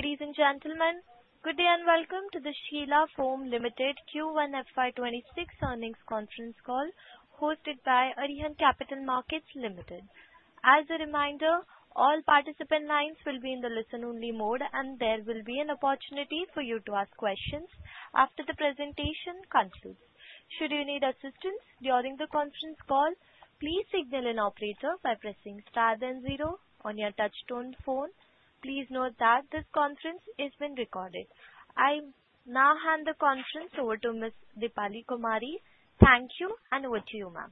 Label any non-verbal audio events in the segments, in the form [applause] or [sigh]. Ladies and gentlemen, good day and welcome to the Sheela Foam Limited Q1 FY 2026 earnings conference call hosted by Arihant Capital Markets Limited. As a reminder, all participant lines will be in the listen-only mode, and there will be an opportunity for you to ask questions after the presentation concludes. Should you need assistance during the conference call, please signal an operator by pressing star then zero on your touch-tone phone. Please note that this conference is being recorded. I now hand the conference over to Ms. Deepali Kumari. Thank you, and over to you, ma'am.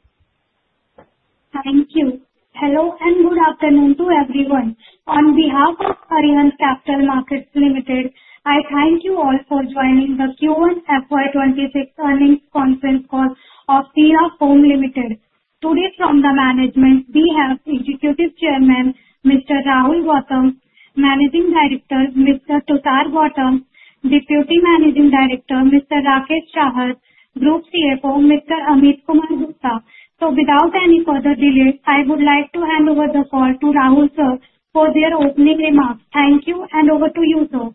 Thank you. Hello and good afternoon to everyone. On behalf of Arihant Capital Markets Limited, I thank you all for joining the Q1 FY 2026 earnings conference call of Sheela Foam Limited. Today, from the management, we have Executive Chairman Mr. Rahul Gautam, Managing Director Mr. Tushar Gautam, Deputy Managing Director Mr. Rakesh Chahar, Group CFO Mr. Amit Kumar Gupta. So without any further delay, I would like to hand over the call to Rahul sir for their opening remarks. Thank you, and over to you, sir.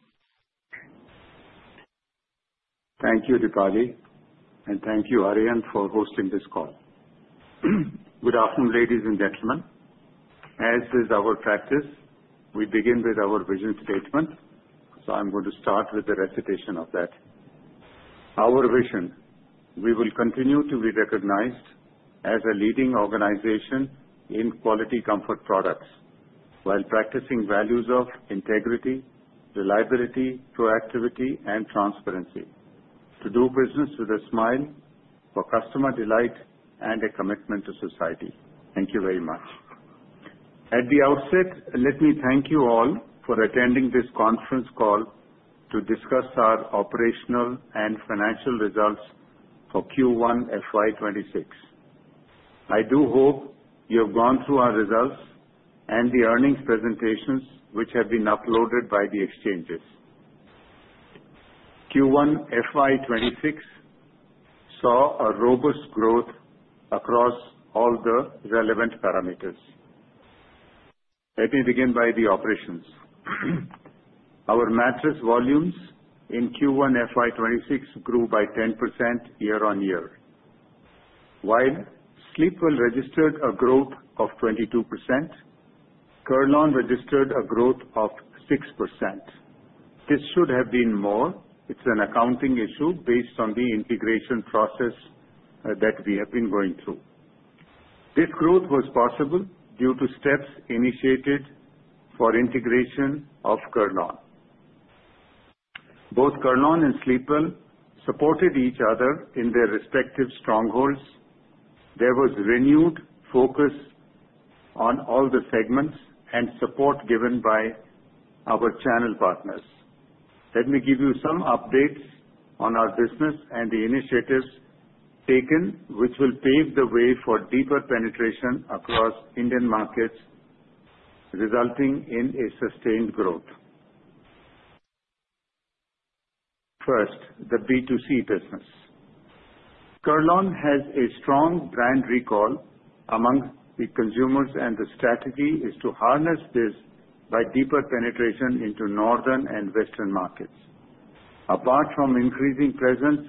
Thank you, Deepali, and thank you, Arihant, for hosting this call. Good afternoon, ladies and gentlemen. As is our practice, we begin with our vision statement. So I'm going to start with the recitation of that. Our vision: we will continue to be recognized as a leading organization in quality comfort products while practicing values of integrity, reliability, proactivity, and transparency. To do business with a smile, for customer delight, and a commitment to society. Thank you very much. At the outset, let me thank you all for attending this conference call to discuss our operational and financial results for Q1 FY 2026. I do hope you have gone through our results and the earnings presentations which have been uploaded by the exchanges. Q1 FY 2026 saw a robust growth across all the relevant parameters. Let me begin by the operations. Our mattress volumes in Q1 FY 2026 grew by 10% year-on-year, while Sleepwell registered a growth of 22%. Kurlon registered a growth of 6%. This should have been more. It's an accounting issue based on the integration process that we have been going through. This growth was possible due to steps initiated for integration of Kurlon. Both Kurlon and Sleepwell supported each other in their respective strongholds. There was renewed focus on all the segments and support given by our channel partners. Let me give you some updates on our business and the initiatives taken, which will pave the way for deeper penetration across Indian markets, resulting in a sustained growth. First, the B2C business. Kurlon has a strong brand recall among the consumers, and the strategy is to harness this by deeper penetration into northern and western markets, apart from increasing presence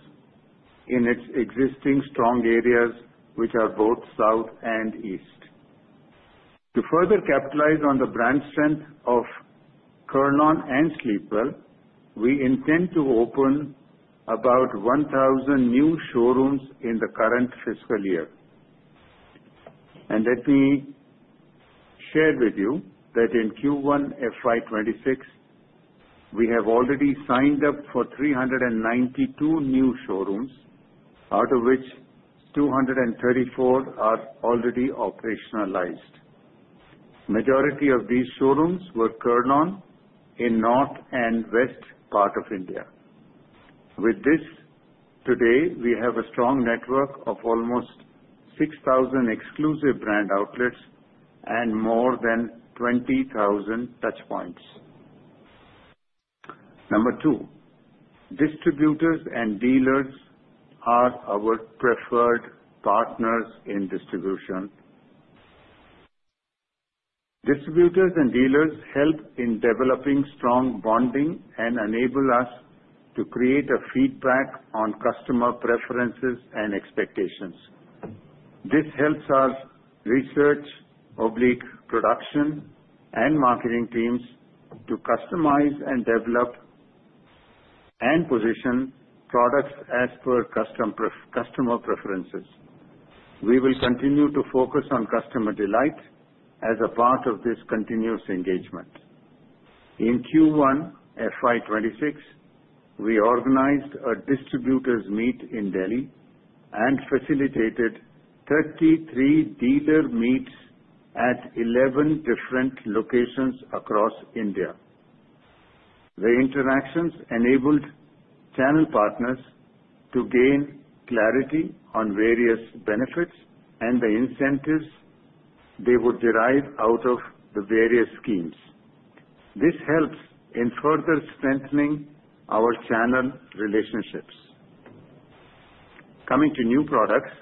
in its existing strong areas, which are both south and east. To further capitalize on the brand strength of Kurlon and Sleepwell, we intend to open about 1,000 new showrooms in the current fiscal year. And let me share with you that in Q1 FY 2026, we have already signed up for 392 new showrooms, out of which 234 are already operationalized. Majority of these showrooms were Kurlon in north and west part of India. With this, today, we have a strong network of almost 6,000 exclusive brand outlets and more than 20,000 touch points. Number two, distributors and dealers are our preferred partners in distribution. Distributors and dealers help in developing strong bonding and enable us to create a feedback on customer preferences and expectations. This helps our research, R&D, production, and marketing teams to customize and develop and position products as per customer preferences. We will continue to focus on customer delight as a part of this continuous engagement. In Q1 FY 2026, we organized a distributors meet in Delhi and facilitated 33 dealer meets at 11 different locations across India. The interactions enabled channel partners to gain clarity on various benefits and the incentives they would derive out of the various schemes. This helps in further strengthening our channel relationships. Coming to new products,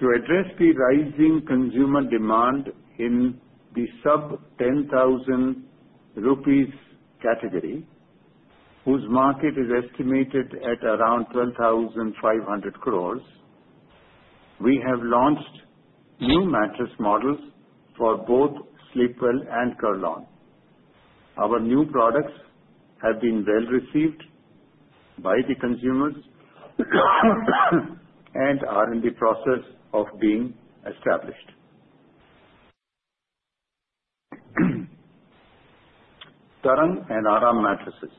to address the rising consumer demand in the sub-INR 10,000 category, whose market is estimated at around 12,500 crores, we have launched new mattress models for both Sleepwell and Kurlon. Our new products have been well received by the consumers and are in the process of being established. Tarang and Aaram mattresses.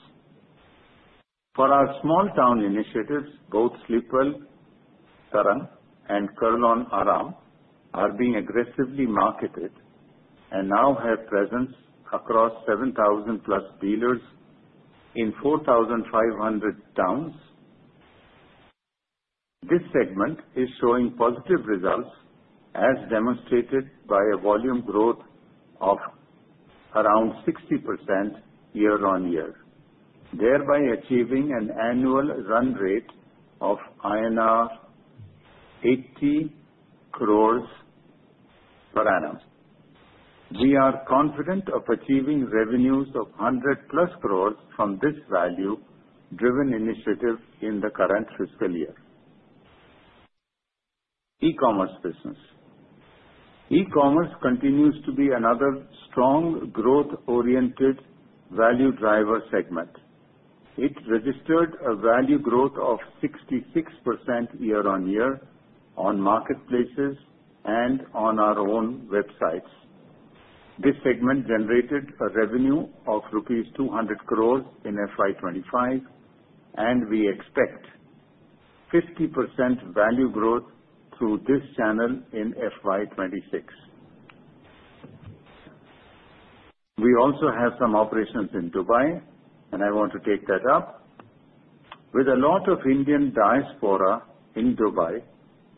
For our Small-Town Initiatives, both Sleepwell Tarang, and Kurl-on Aaram are being aggressively marketed and now have presence across 7,000-plus dealers in 4,500 towns. This segment is showing positive results, as demonstrated by a volume growth of around 60% year-on-year, thereby achieving an annual run rate of INR 80 crores per annum. We are confident of achieving revenues of 100-plus crores from this value-driven initiative in the current fiscal year. E-commerce business. E-commerce continues to be another strong growth-oriented value driver segment. It registered a value growth of 66% year-on-year on marketplaces and on our own websites. This segment generated a revenue of rupees 200 crores in FY 2025, and we expect 50% value growth through this channel in FY 2026. We also have some operations in Dubai, and I want to take that up. With a lot of Indian diaspora in Dubai,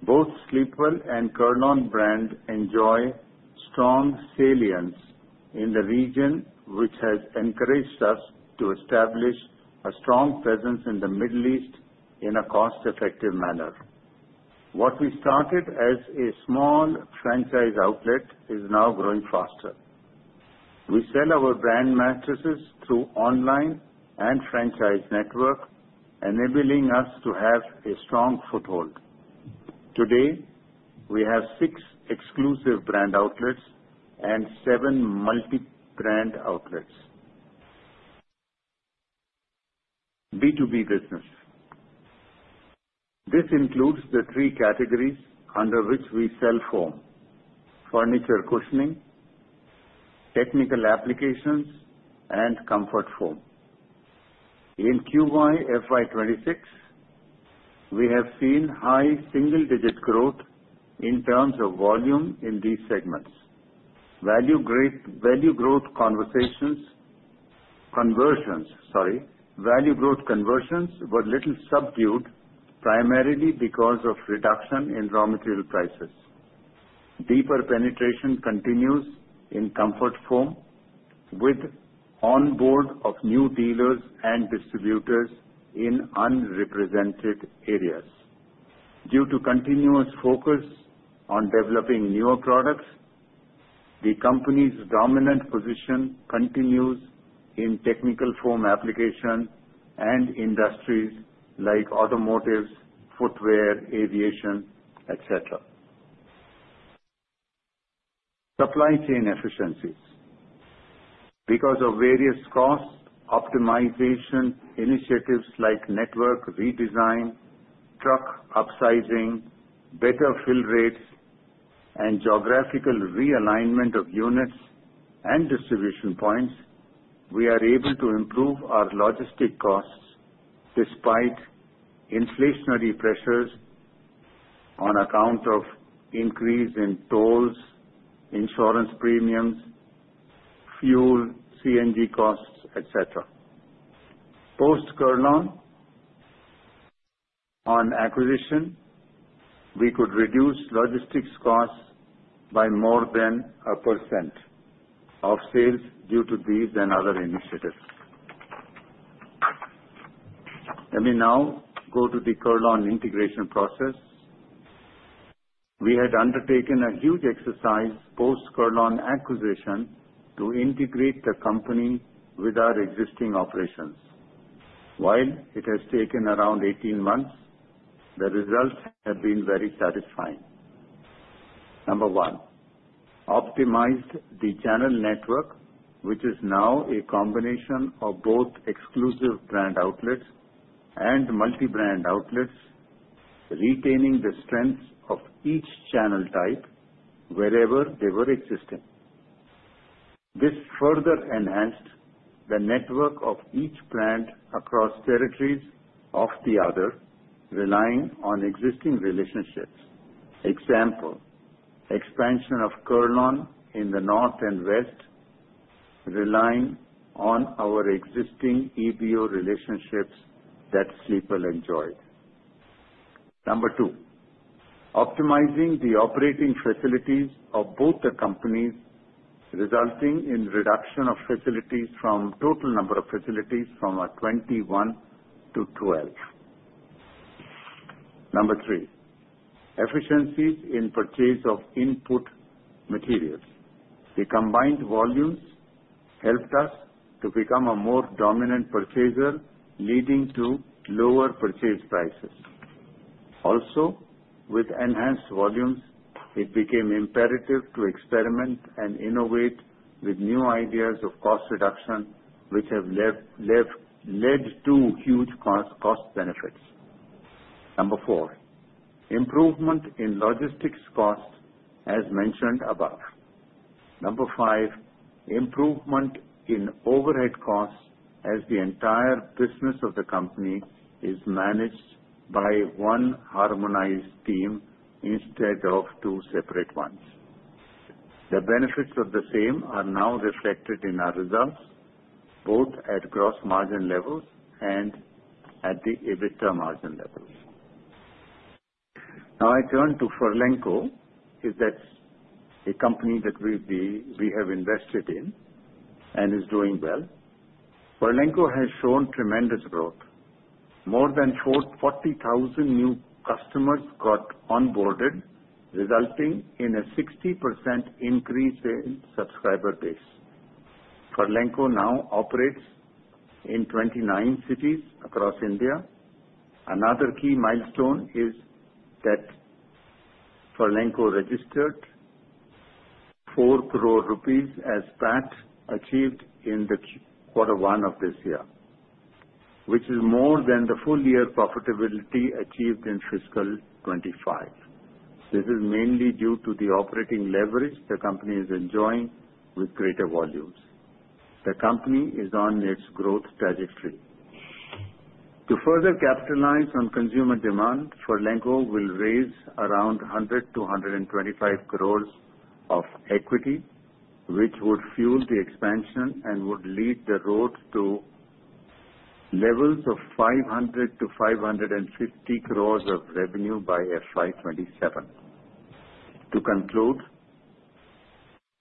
both Sleepwell and Kurlon brand enjoy strong salience in the region, which has encouraged us to establish a strong presence in the Middle East in a cost-effective manner. What we started as a small franchise outlet is now growing faster. We sell our brand mattresses through online and franchise network, enabling us to have a strong foothold. Today, we have six exclusive brand outlets and seven multi-brand outlets. B2B business. This includes the three categories under which we sell foam: furniture cushioning, technical applications, and comfort foam. In Q1 FY 2026, we have seen high single-digit growth in terms of volume in these segments. Value growth was a little subdued, primarily because of reduction in raw material prices. Deeper penetration continues in comfort foam with onboarding of new dealers and distributors in unrepresented areas. Due to continuous focus on developing newer products, the company's dominant position continues in technical foam application and industries like automotives, footwear, aviation, etc. Supply chain efficiencies. Because of various cost optimization initiatives like network redesign, truck upsizing, better fill rates, and geographical realignment of units and distribution points, we are able to improve our logistics costs despite inflationary pressures on account of increase in tolls, insurance premiums, fuel, CNG costs, etc. Post-Kurlon acquisition, we could reduce logistics costs by more than 1% of sales due to these and other initiatives. Let me now go to the Kurlon integration process. We had undertaken a huge exercise post-Kurlon acquisition to integrate the company with our existing operations. While it has taken around 18 months, the results have been very satisfying. Number one, optimized the channel network, which is now a combination of both exclusive brand outlets and multi-brand outlets, retaining the strengths of each channel type wherever they were existing. This further enhanced the network of each brand across territories of the other, relying on existing relationships. Example, expansion of Kurlon in the north and west relying on our existing EBO relationships that Sleepwell enjoyed. Number two, optimizing the operating facilities of both the companies, resulting in reduction of facilities from total number of facilities from 21 to 12. Number three, efficiencies in purchase of input materials. The combined volumes helped us to become a more dominant purchaser, leading to lower purchase prices. Also, with enhanced volumes, it became imperative to experiment and innovate with new ideas of cost reduction, which have led to huge cost benefits. Number four, improvement in logistics costs as mentioned above. Number five, improvement in overhead costs as the entire business of the company is managed by one harmonized team instead of two separate ones. The benefits of the same are now reflected in our results, both at gross margin levels and at the EBITDA margin levels. Now, I turn to Furlenco. It's a company that we have invested in and is doing well. Furlenco has shown tremendous growth. More than 40,000 new customers got onboarded, resulting in a 60% increase in subscriber base. Furlenco now operates in 29 cities across India. Another key milestone is that Furlenco registered 4 crore rupees as PAT achieved in the quarter one of this year, which is more than the full-year profitability achieved in fiscal 2025. This is mainly due to the operating leverage the company is enjoying with greater volumes. The company is on its growth trajectory. To further capitalize on consumer demand, Furlenco will raise around 100 crores-125 crores of equity, which would fuel the expansion and would lead the road to levels of 500 crores-550 crores of revenue by FY 2027. To conclude,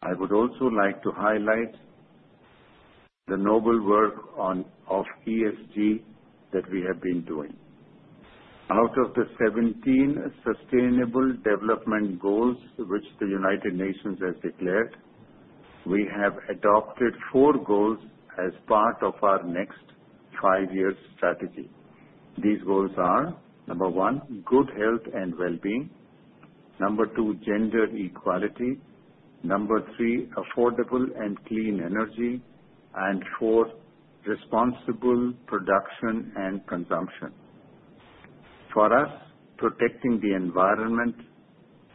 I would also like to highlight the noble work of ESG that we have been doing. Out of the 17 Sustainable Development Goals, which the United Nations has declared, we have adopted four goals as part of our next five-year strategy. These goals are: number one, good health and well-being; number two, gender equality; number three, affordable and clean energy; and four, responsible production and consumption. For us, protecting the environment,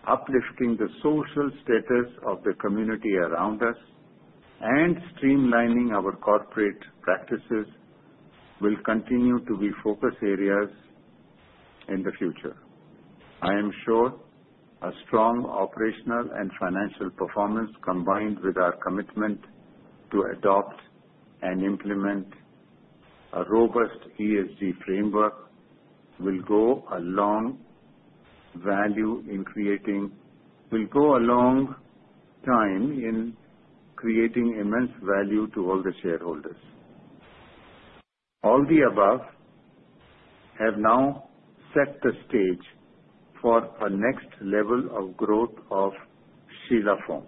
uplifting the social status of the community around us, and streamlining our corporate practices will continue to be focus areas in the future. I am sure a strong operational and financial performance, combined with our commitment to adopt and implement a robust ESG framework, will go a long time in creating immense value to all the shareholders. All the above have now set the stage for a next level of growth of Sheela Foam,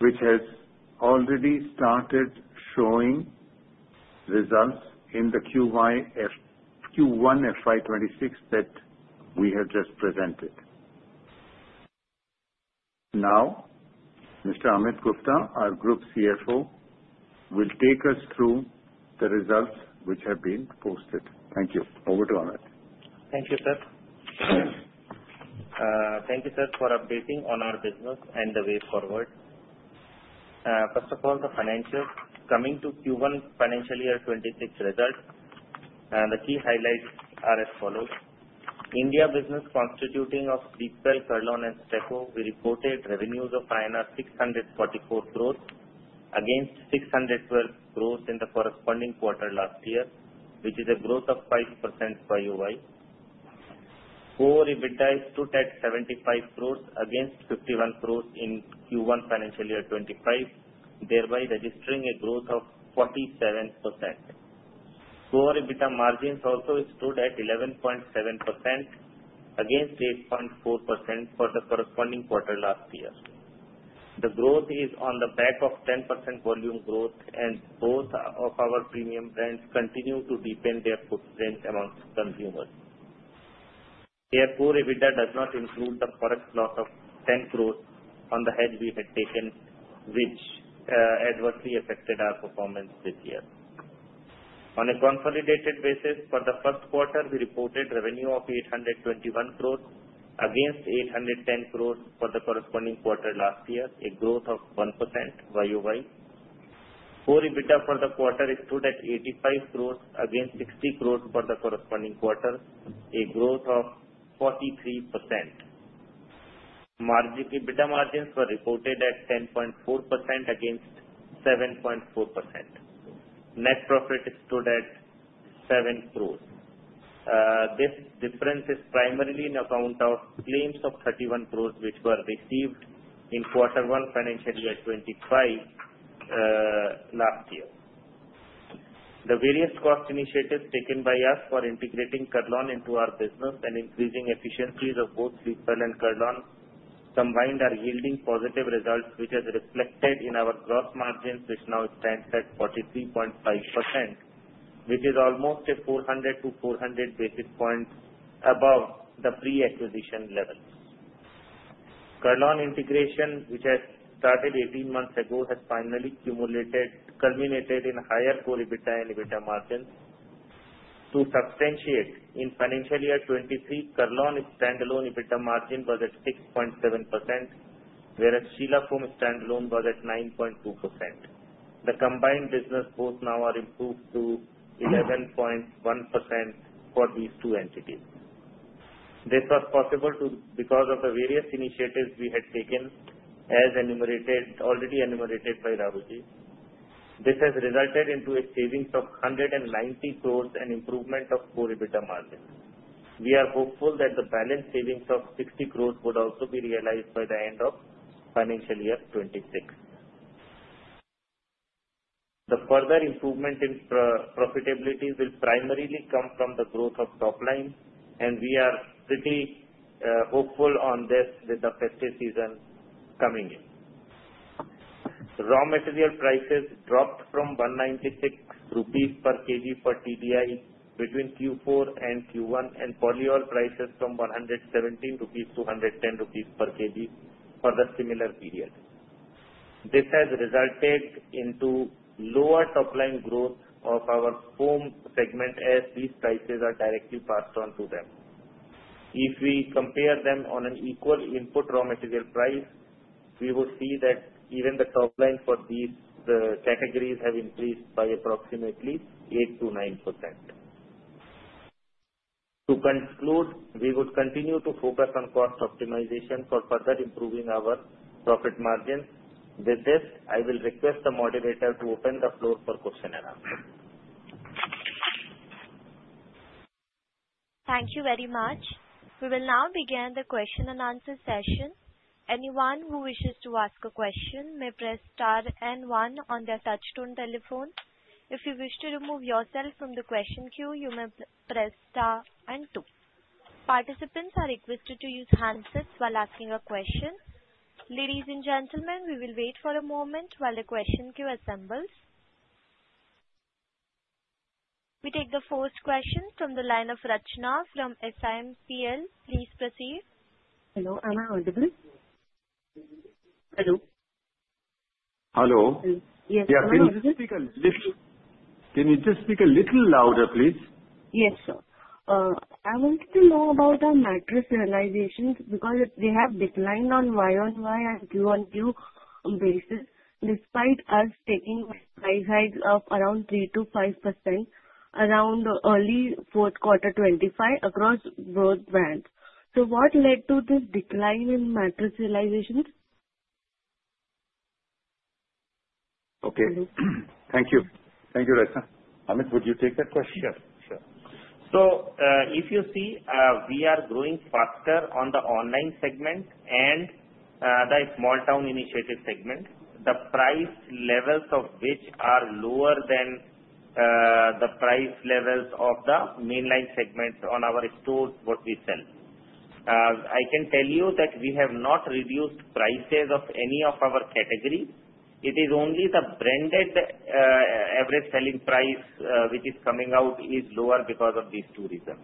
which has already started showing results in the Q1 FY 2026 that we have just presented. Now, Mr. Amit Gupta, our group CFO, will take us through the results which have been posted. Thank you. Over to Amit. Thank you, sir. Thank you, sir, for updating on our business and the way forward. First of all, the financials coming to Q1 financial year 2026 results. The key highlights are as follows. India business constituting of Sleepwell, Kurlon, and Sheela Foam reported revenues of INR 644 crores against 612 crores in the corresponding quarter last year, which is a growth of 5% YoY. Core EBITDA stood at 75 crores against 51 crores in Q1 financial year 2025, thereby registering a growth of 47%. Core EBITDA margins also stood at 11.7% against 8.4% for the corresponding quarter last year. The growth is on the back of 10% volume growth, and both of our premium brands continue to deepen their footprint amongst consumers. Adjusted EBITDA does not include the forex loss of 10 crores on the hedge we had taken, which adversely affected our performance this year. On a consolidated basis, for the first quarter, we reported revenue of 821 crores against 810 crores for the corresponding quarter last year, a growth of 1% YoY. Core EBITDA for the quarter stood at 85 crores against 60 crores for the corresponding quarter, a growth of 43%. EBITDA margins were reported at 10.4% against 7.4%. Net profit stood at 7 crores. This difference is primarily in account of claims of 31 crores, which were received in quarter one financial year 2025 last year. The various cost initiatives taken by us for integrating Kurlon into our business and increasing efficiencies of both Sleepwell and Kurlon combined are yielding positive results, which are reflected in our gross margins, which now stands at 43.5%, which is almost 400 to 400 basis points above the pre-acquisition levels. Kurlon integration, which has started 18 months ago, has finally culminated in higher core EBITDA and EBITDA margins. To substantiate, in financial year 2023, Kurlon standalone EBITDA margin was at 6.7%, whereas Sheela Foam standalone was at 9.2%. The combined business both now are improved to 11.1% for these two entities. This was possible because of the various initiatives we had taken, as already enumerated by Rahulji. This has resulted in savings of 190 crores and improvement of core EBITDA margin. We are hopeful that the balance savings of 60 crores would also be realized by the end of financial year 2026. The further improvement in profitability will primarily come from the growth of top line, and we are pretty hopeful on this with the festive season coming in. Raw material prices dropped from 196 rupees per kg per TDI between Q4 and Q1, and polyol prices from 117 rupees to 110 rupees per kg for the similar period. This has resulted in lower top line growth of our foam segment as these prices are directly passed on to them. If we compare them on an equal input raw material price, we will see that even the top line for these categories have increased by approximately 8%-9%. To conclude, we would continue to focus on cost optimization for further improving our profit margins. With this, I will request the moderator to open the floor for question and answer. Thank you very much. We will now begin the question and answer session. Anyone who wishes to ask a question may press star and one on their touch-tone telephone. If you wish to remove yourself from the question queue, you may press star and two. Participants are requested to use handsets while asking a question. Ladies and gentlemen, we will wait for a moment while the question queue assembles. We take the first question from the line of Rachna from SiMPL. Please proceed. Hello. Am I audible? Hello? Hello. Yes. Yeah. Can you speak a little louder, please? Yes, sir. I wanted to know about our mattress realization because they have declined on Y on Y and Q on Q basis, despite us taking price hikes of around 3%-5% around early fourth quarter 2025 across both brands. So what led to this decline in mattress realization? Okay. Thank you. Thank you, Rachna. Amit, would you take that question? Sure. Sure. So if you see, we are growing faster on the online segment and the Small-Town Initiative segment, the price levels of which are lower than the price levels of the mainline segments on our stores, what we sell. I can tell you that we have not reduced prices of any of our categories. It is only the branded average selling price, which is coming out, is lower because of these two reasons.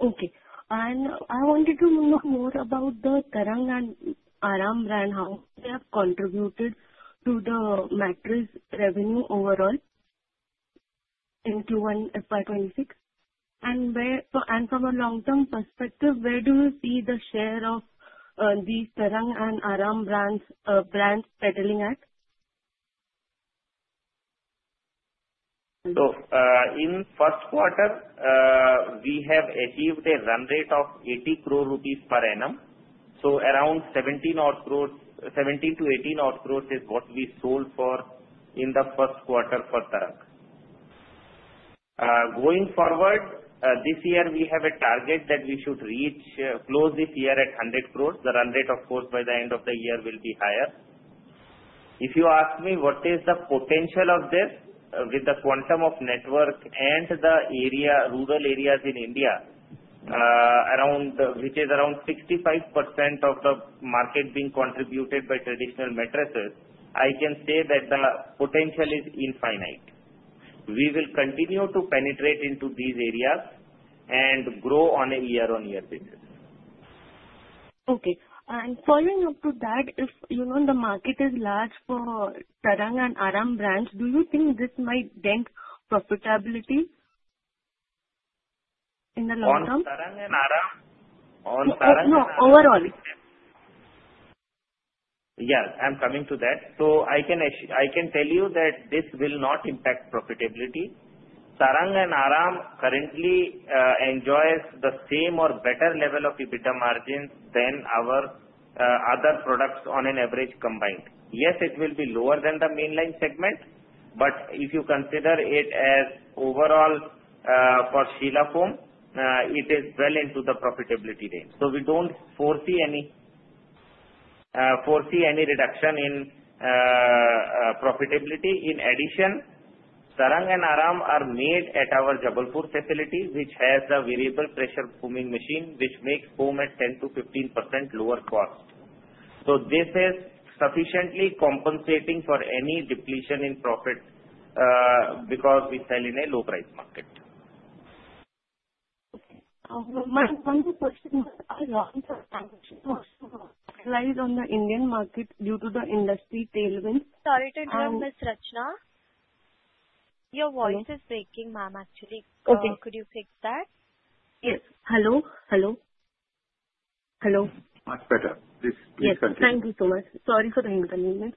Okay. And I wanted to know more about the Tarang and Aaram brand, how they have contributed to the mattress revenue overall in Q1 FY 2026. And from a long-term perspective, where do you see the share of these Tarang and Aaram brands pegging at? In the first quarter, we have achieved a run rate of 80 crore rupees per annum. Around 17 crore-18 crore is what we sold in the first quarter for Tarang. Going forward, this year, we have a target that we should close this year at 100 crore. The run rate, of course, by the end of the year will be higher. If you ask me what is the potential of this with the quantum of network and the rural areas in India, which is around 65% of the market being contributed by traditional mattresses, I can say that the potential is infinite. We will continue to penetrate into these areas and grow on a year-on-year basis. Okay, and following up to that, if the market is large for Tarang and Aaram brands, do you think this might dent profitability in the long term? On Tarang and Aaram? No, overall. Yes. I'm coming to that. So I can tell you that this will not impact profitability. Tarang and Aaram currently enjoy the same or better level of EBITDA margins than our other products on an average combined. Yes, it will be lower than the mainline segment, but if you consider it as overall for Sheela Foam, it is well into the profitability range. So we don't foresee any reduction in profitability. In addition, Tarang and Aaram are made at our Jabalpur facility, which has a variable pressure foaming machine, which makes foam at 10%-15% lower cost. So this is sufficiently compensating for any depletion in profit because we sell in a low-price market. Okay. One question. Are your answers on the Indian market due to the industry tailwind? Sorry to interrupt, Ms. Rachna. Your voice is breaking, ma'am, actually. Could you fix that? Yes. Hello. Hello. Hello. Much better. Please continue. Yes. Thank you so much. Sorry for the intermittentness.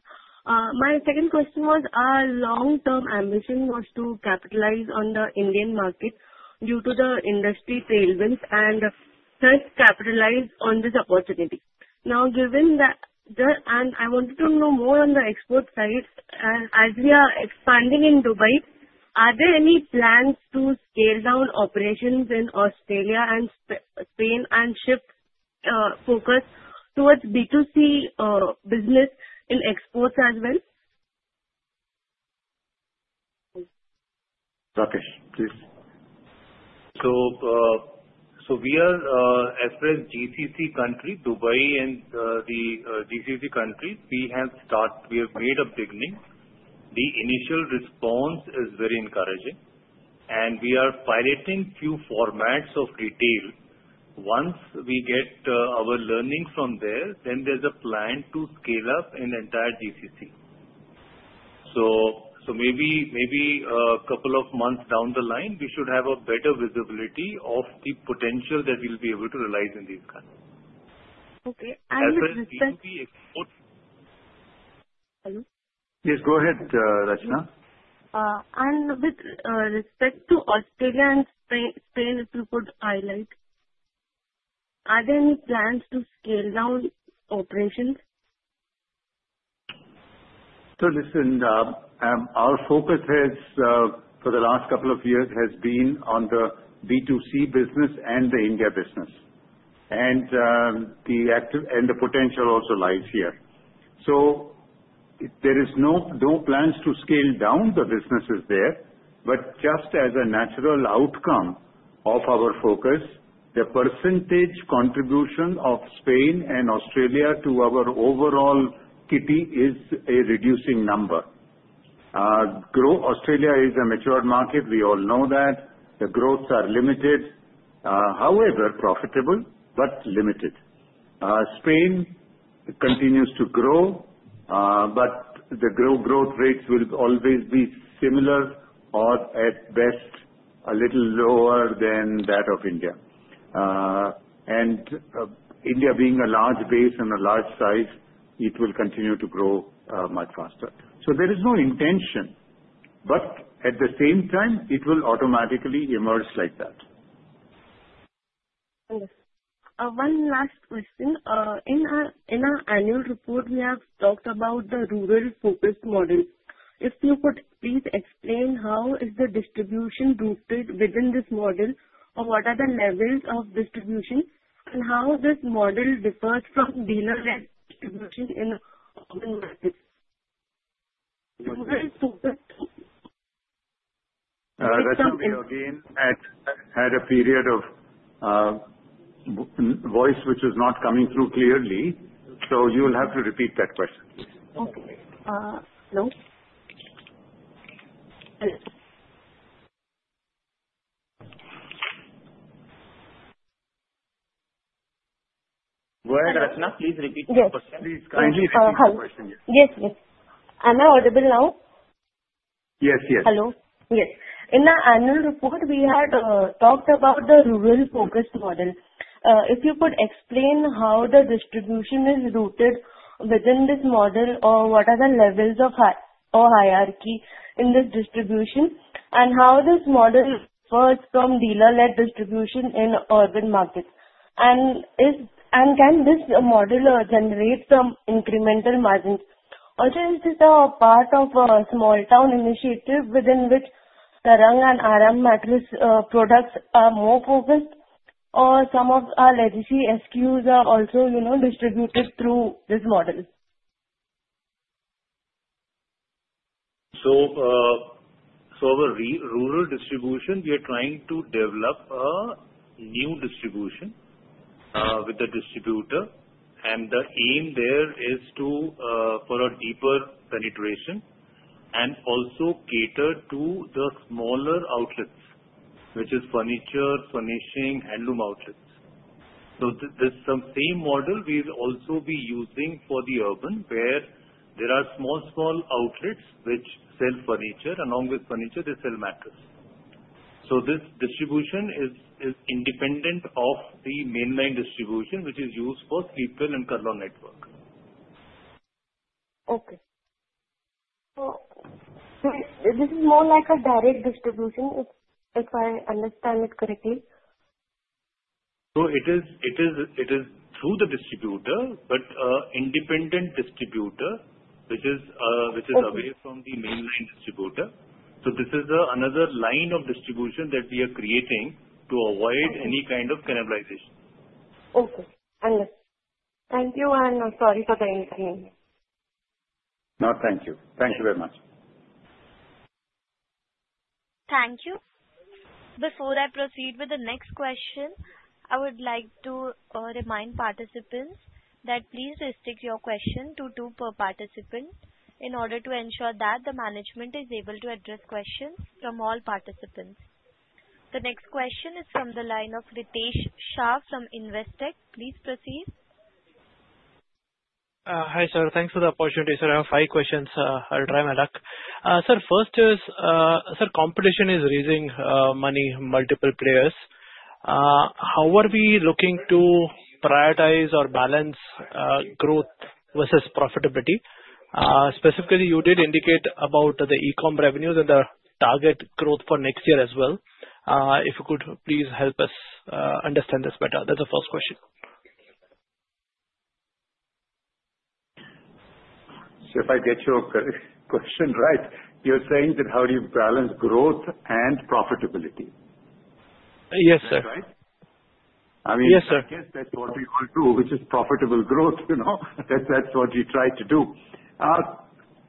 My second question was, our long-term ambition was to capitalize on the Indian market due to the industry tailwinds and first capitalize on this opportunity. Now, given that, and I wanted to know more on the export side, as we are expanding in Dubai, are there any plans to scale down operations in Australia and Spain and shift focus towards B2C business in exports as well? Rakesh, please. So we are, as well as GCC country, Dubai and the GCC countries, we have made a beginning. The initial response is very encouraging, and we are piloting a few formats of retail. Once we get our learning from there, then there's a plan to scale up in the entire GCC. So maybe a couple of months down the line, we should have a better visibility of the potential that we'll be able to realize in these countries. Okay and with respect to. As with GCC exports. Yes. Go ahead, Rachna. With respect to Australia and Spain, if you could highlight, are there any plans to scale down operations? So listen, our focus for the last couple of years has been on the B2C business and the India business, and the potential also lies here. So there are no plans to scale down the businesses there, but just as a natural outcome of our focus, the percentage contribution of Spain and Australia to our overall EBITDA is a reducing number. Australia is a matured market. We all know that. The growths are limited, however profitable, but limited. Spain continues to grow, but the growth rates will always be similar or at best a little lower than that of India. And India being a large base and a large size, it will continue to grow much faster. So there is no intention, but at the same time, it will automatically emerge like that. One last question. In our annual report, we have talked about the rural-focused model. If you could please explain how the distribution is rooted within this model or what are the levels of distribution and how this model differs from dealer-led distribution in urban markets? That's something. Again, had a period of voice which was not coming through clearly, so you will have to repeat that question. Okay. Hello? Go ahead, Rachna. Please repeat the question. Yes. Please continue. Yes. Yes. Am I audible now? Yes. Yes. Hello? Yes. In the annual report, we had talked about the rural-focused model. If you could explain how the distribution is rooted within this model or what are the levels of hierarchy in this distribution and how this model differs from dealer-led distribution in urban markets. And can this model generate some incremental margins? Also, is this a part of a Small-Town Initiative within which Tarang and Aaram mattress products are more focused, or some of our legacy SQs are also distributed through this model? So for the rural distribution, we are trying to develop a new distribution with the distributor, and the aim there is for a deeper penetration and also cater to the smaller outlets, which are furniture, furnishing, and room outlets. So the same model we will also be using for the urban, where there are small, small outlets which sell furniture. Along with furniture, they sell mattress. So this distribution is independent of the mainline distribution, which is used for Sleepwell and Kurlon network. Okay. So this is more like a direct distribution, if I understand it correctly? So it is through the distributor, but an independent distributor, which is away from the mainline distributor. So this is another line of distribution that we are creating to avoid any kind of cannibalization. Okay, and thank you, and sorry for the intermittent. No. Thank you. Thank you very much. Thank you. Before I proceed with the next question, I would like to remind participants that please restrict your question to two per participant in order to ensure that the management is able to address questions from all participants. The next question is from the line of Ritesh Shah from Investec. Please proceed. Hi, sir. Thanks for the opportunity, sir. I have five questions. I'll try my luck. Sir, first is, sir, competition is raising money, multiple players. How are we looking to prioritize or balance growth versus profitability? Specifically, you did indicate about the e-com revenues and the target growth for next year as well. If you could please help us understand this better? That's the first question. So if I get your question right, you're saying that how do you balance growth and profitability? Yes, sir. I mean, I guess that's what we want to do, which is profitable growth. That's what we try to do.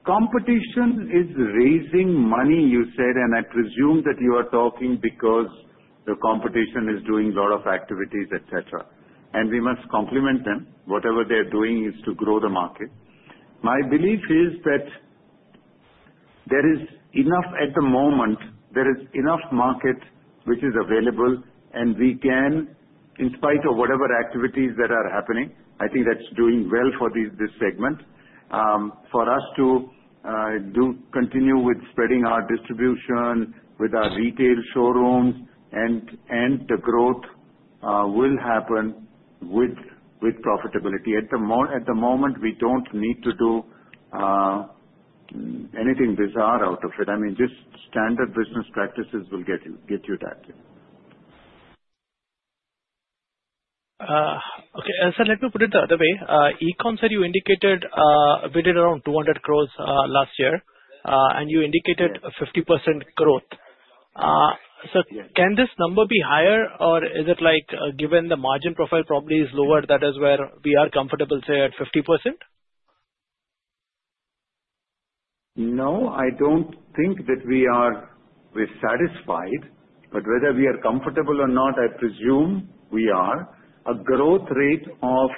Competition is raising money, you said, and I presume that you are talking because the competition is doing a lot of activities, etc., and we must complement them. Whatever they are doing is to grow the market. My belief is that there is enough at the moment, there is enough market which is available, and we can, in spite of whatever activities that are happening, I think that's doing well for this segment. For us to continue with spreading our distribution with our retail showrooms, and the growth will happen with profitability. At the moment, we don't need to do anything bizarre out of it. I mean, just standard business practices will get you that. Okay. Sir, let me put it the other way. E-com, sir, you indicated we did around 200 crores last year, and you indicated 50% growth. So can this number be higher, or is it given the margin profile probably is lower, that is where we are comfortable, say, at 50%? No, I don't think that we are satisfied, but whether we are comfortable or not, I presume we are. A growth rate of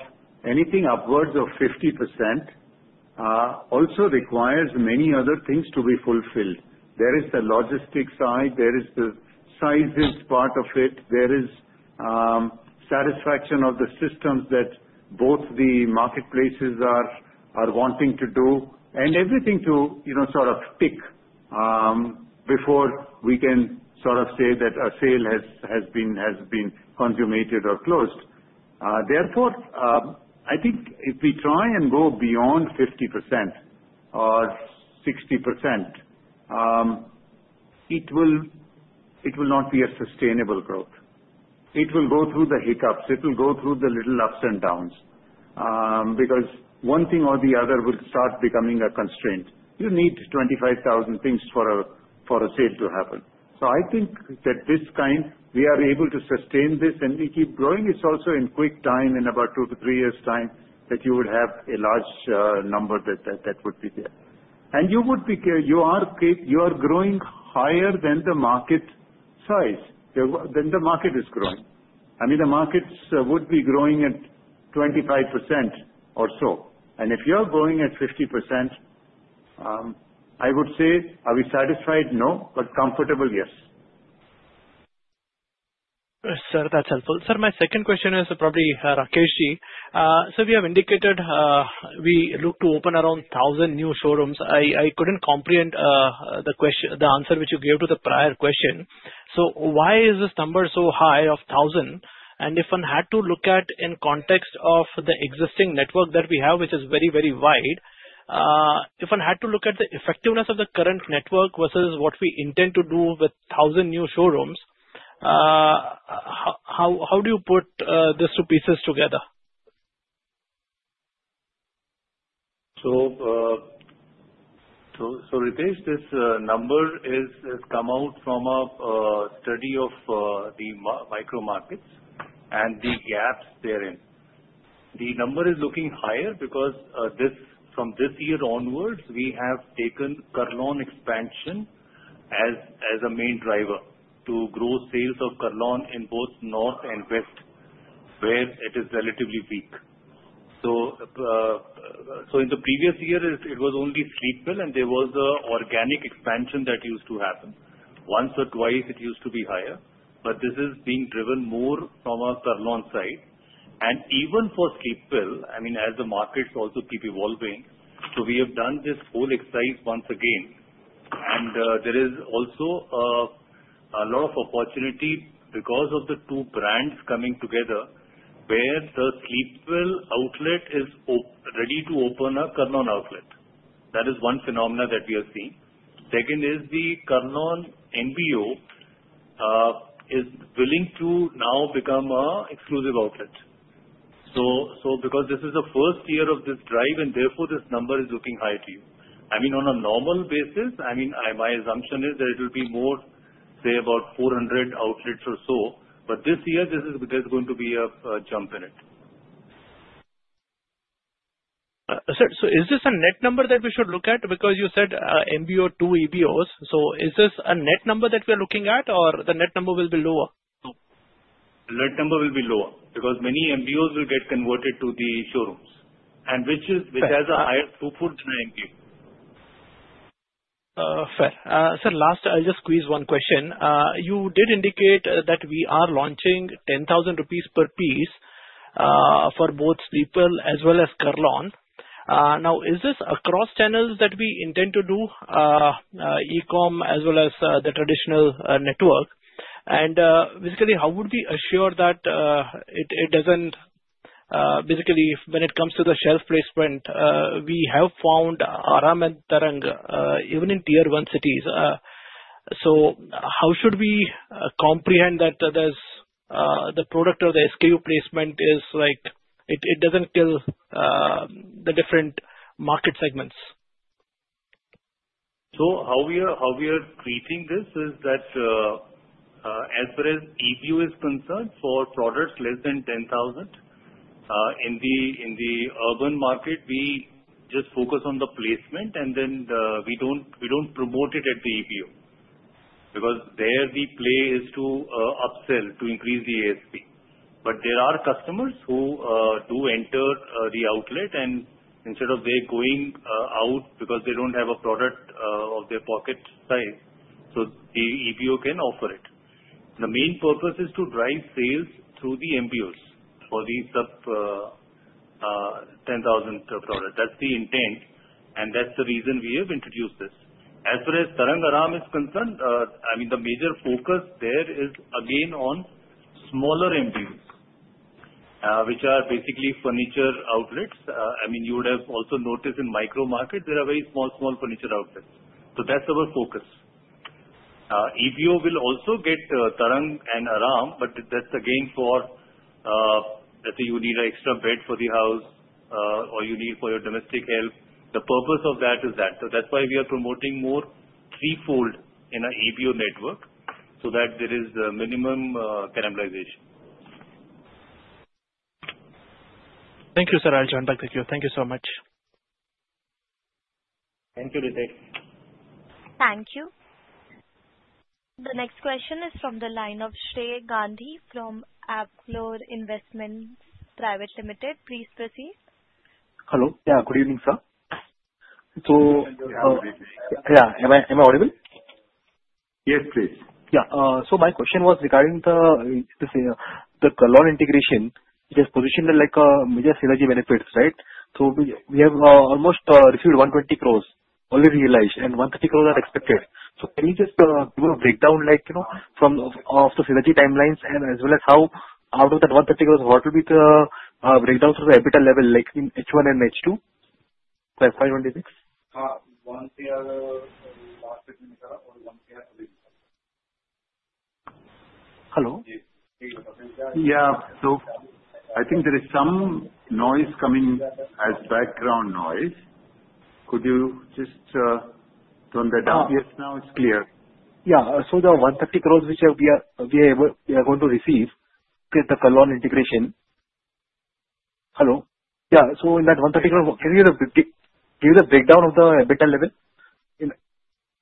anything upwards of 50% also requires many other things to be fulfilled. There is the logistics side. There is the sizes part of it. There is satisfaction of the systems that both the marketplaces are wanting to do and everything to sort of tick before we can sort of say that a sale has been consummated or closed. Therefore, I think if we try and go beyond 50% or 60%, it will not be a sustainable growth. It will go through the hiccups. It will go through the little ups and downs because one thing or the other will start becoming a constraint. You need 25,000 things for a sale to happen. So I think that this time, we are able to sustain this, and we keep growing. It's also in quick time, in about two to three years' time, that you would have a large number that would be there. And you are growing higher than the market size, than the market is growing. I mean, the markets would be growing at 25% or so. And if you are growing at 50%, I would say, are we satisfied? No, but comfortable, yes. Sir, that's helpful. Sir, my second question is probably Rakeshji. So we have indicated we look to open around 1,000 new showrooms. I couldn't comprehend the answer which you gave to the prior question. So why is this number so high of 1,000? And if one had to look at in context of the existing network that we have, which is very, very wide, if one had to look at the effectiveness of the current network versus what we intend to do with 1,000 new showrooms, how do you put these two pieces together? Ritesh, this number has come out from a study of the micro markets and the gaps therein. The number is looking higher because from this year onwards, we have taken Kurlon expansion as a main driver to grow sales of Kurlon in both north and west, where it is relatively weak. In the previous year, it was only Sleepwell, and there was an organic expansion that used to happen. Once or twice, it used to be higher, but this is being driven more from a Kurlon side. And even for Sleepwell, I mean, as the markets also keep evolving, so we have done this whole exercise once again. And there is also a lot of opportunity because of the two brands coming together, where the Sleepwell outlet is ready to open a Kurlon outlet. That is one phenomenon that we have seen. Second is the Kurlon MBO is willing to now become an exclusive outlet. So because this is the first year of this drive, and therefore this number is looking high to you. I mean, on a normal basis, I mean, my assumption is that it will be more, say, about 400 outlets or so, but this year, there's going to be a jump in it. Sir, so is this a net number that we should look at? Because you said MBO, two EBOs. So is this a net number that we are looking at, or the net number will be lower? Net number will be lower because many MBOs will get converted to the showrooms, which has a higher throughput than an MBO. Fair. Sir, last, I'll just squeeze one question. You did indicate that we are launching 10,000 rupees per piece for both Sleepwell as well as Kurlon. Now, is this across channels that we intend to do, e-com as well as the traditional network? And basically, how would we assure that it doesn't basically, when it comes to the shelf placement, we have found Aaram and Tarang, even in tier-one cities? So how should we comprehend that the product or the SKU placement is like it doesn't kill the different market segments? So, how we are treating this is that as far as EBO is concerned, for products less than 10,000 in the urban market, we just focus on the placement, and then we don't promote it at the EBO because there the play is to upsell, to increase the ASP. But there are customers who do enter the outlet, and instead of they're going out because they don't have a product of their pocket size, so the EBO can offer it. The main purpose is to drive sales through the MBOs for these sub-10,000 products. That's the intent, and that's the reason we have introduced this. As far as Tarang, Aaram is concerned, I mean, the major focus there is again on smaller MBOs, which are basically furniture outlets. I mean, you would have also noticed in micro markets, there are very small, small furniture outlets. So that's our focus. EBO will also get Tarang and Aaram, but that's again for, let's say, you need an extra bed for the house or you need for your domestic help. The purpose of that is that. So that's why we are promoting more threefold in an EBO network so that there is minimum cannibalization. Thank you, sir. I'll join back with you. Thank you so much. Thank you, Ritesh. Thank you. The next question is from the line of Shrey Gandhi from Abchlor Investments Private Limited. Please proceed. Hello. Yeah. Good evening, sir. So yeah, am I audible? Yes, please. Yeah. So my question was regarding the Kurlon integration. It is positioned like a major synergy benefits, right? So we have almost received 120 crores already realized, and 130 crores are expected. So can you just give a breakdown of the synergy timelines and as well as how out of that 130 crores, what will be the breakdown through the EBITDA level in H1 and H2? [audio distortion] Hello? Yeah. So I think there is some noise coming as background noise. Could you just turn that down? Yes, now it's clear. Yeah. So the 130 crores which we are going to receive with the Kurlon integration. Yeah. So in that 130 crores, can you give the breakdown of the EBITDA level?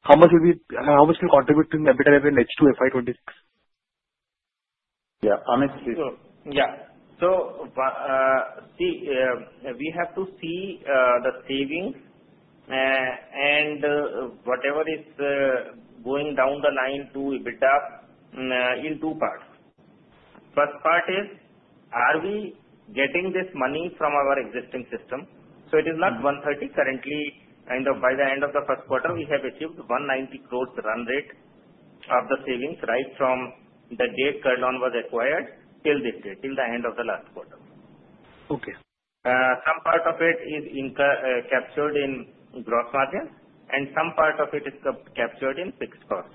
How much will contribute to the EBITDA level in H2 FY 2026? Yeah. Honestly. Yeah. So see, we have to see the savings and whatever is going down the line to EBITDA in two parts. First part is, are we getting this money from our existing system? So it is not 130 crores currently. By the end of the first quarter, we have achieved 190 crores run rate of the savings right from the date Kurlon was acquired till this date, till the end of the last quarter. Okay. Some part of it is captured in gross margin, and some part of it is captured in fixed cost,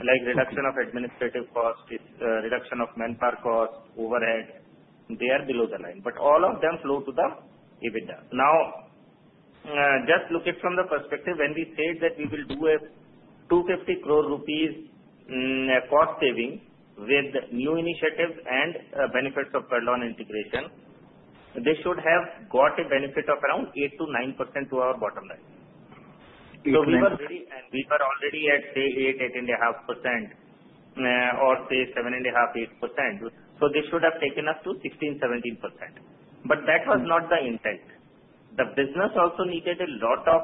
like reduction of administrative cost, reduction of manpower cost, overhead. They are below the line, but all of them flow to the EBITDA. Now, just look at it from the perspective when we said that we will do a 250 crore rupees cost saving with new initiatives and benefits of Kurlon integration, they should have got a benefit of around 8%-9% to our bottom line. So we were already at, say, 8%-8.5% or, say, 7.5%-8%. So they should have taken us to 16%-17%. But that was not the intent. The business also needed a lot of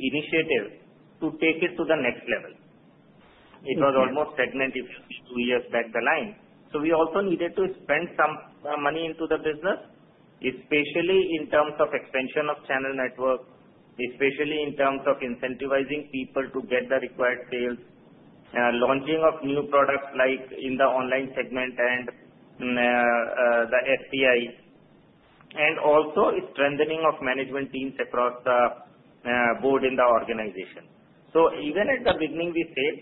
initiative to take it to the next level. It was almost stagnant two years back the line. So we also needed to spend some money into the business, especially in terms of expansion of channel network, especially in terms of incentivizing people to get the required sales, launching of new products like in the online segment and the SPI, and also strengthening of management teams across the board in the organization. So even at the beginning, we said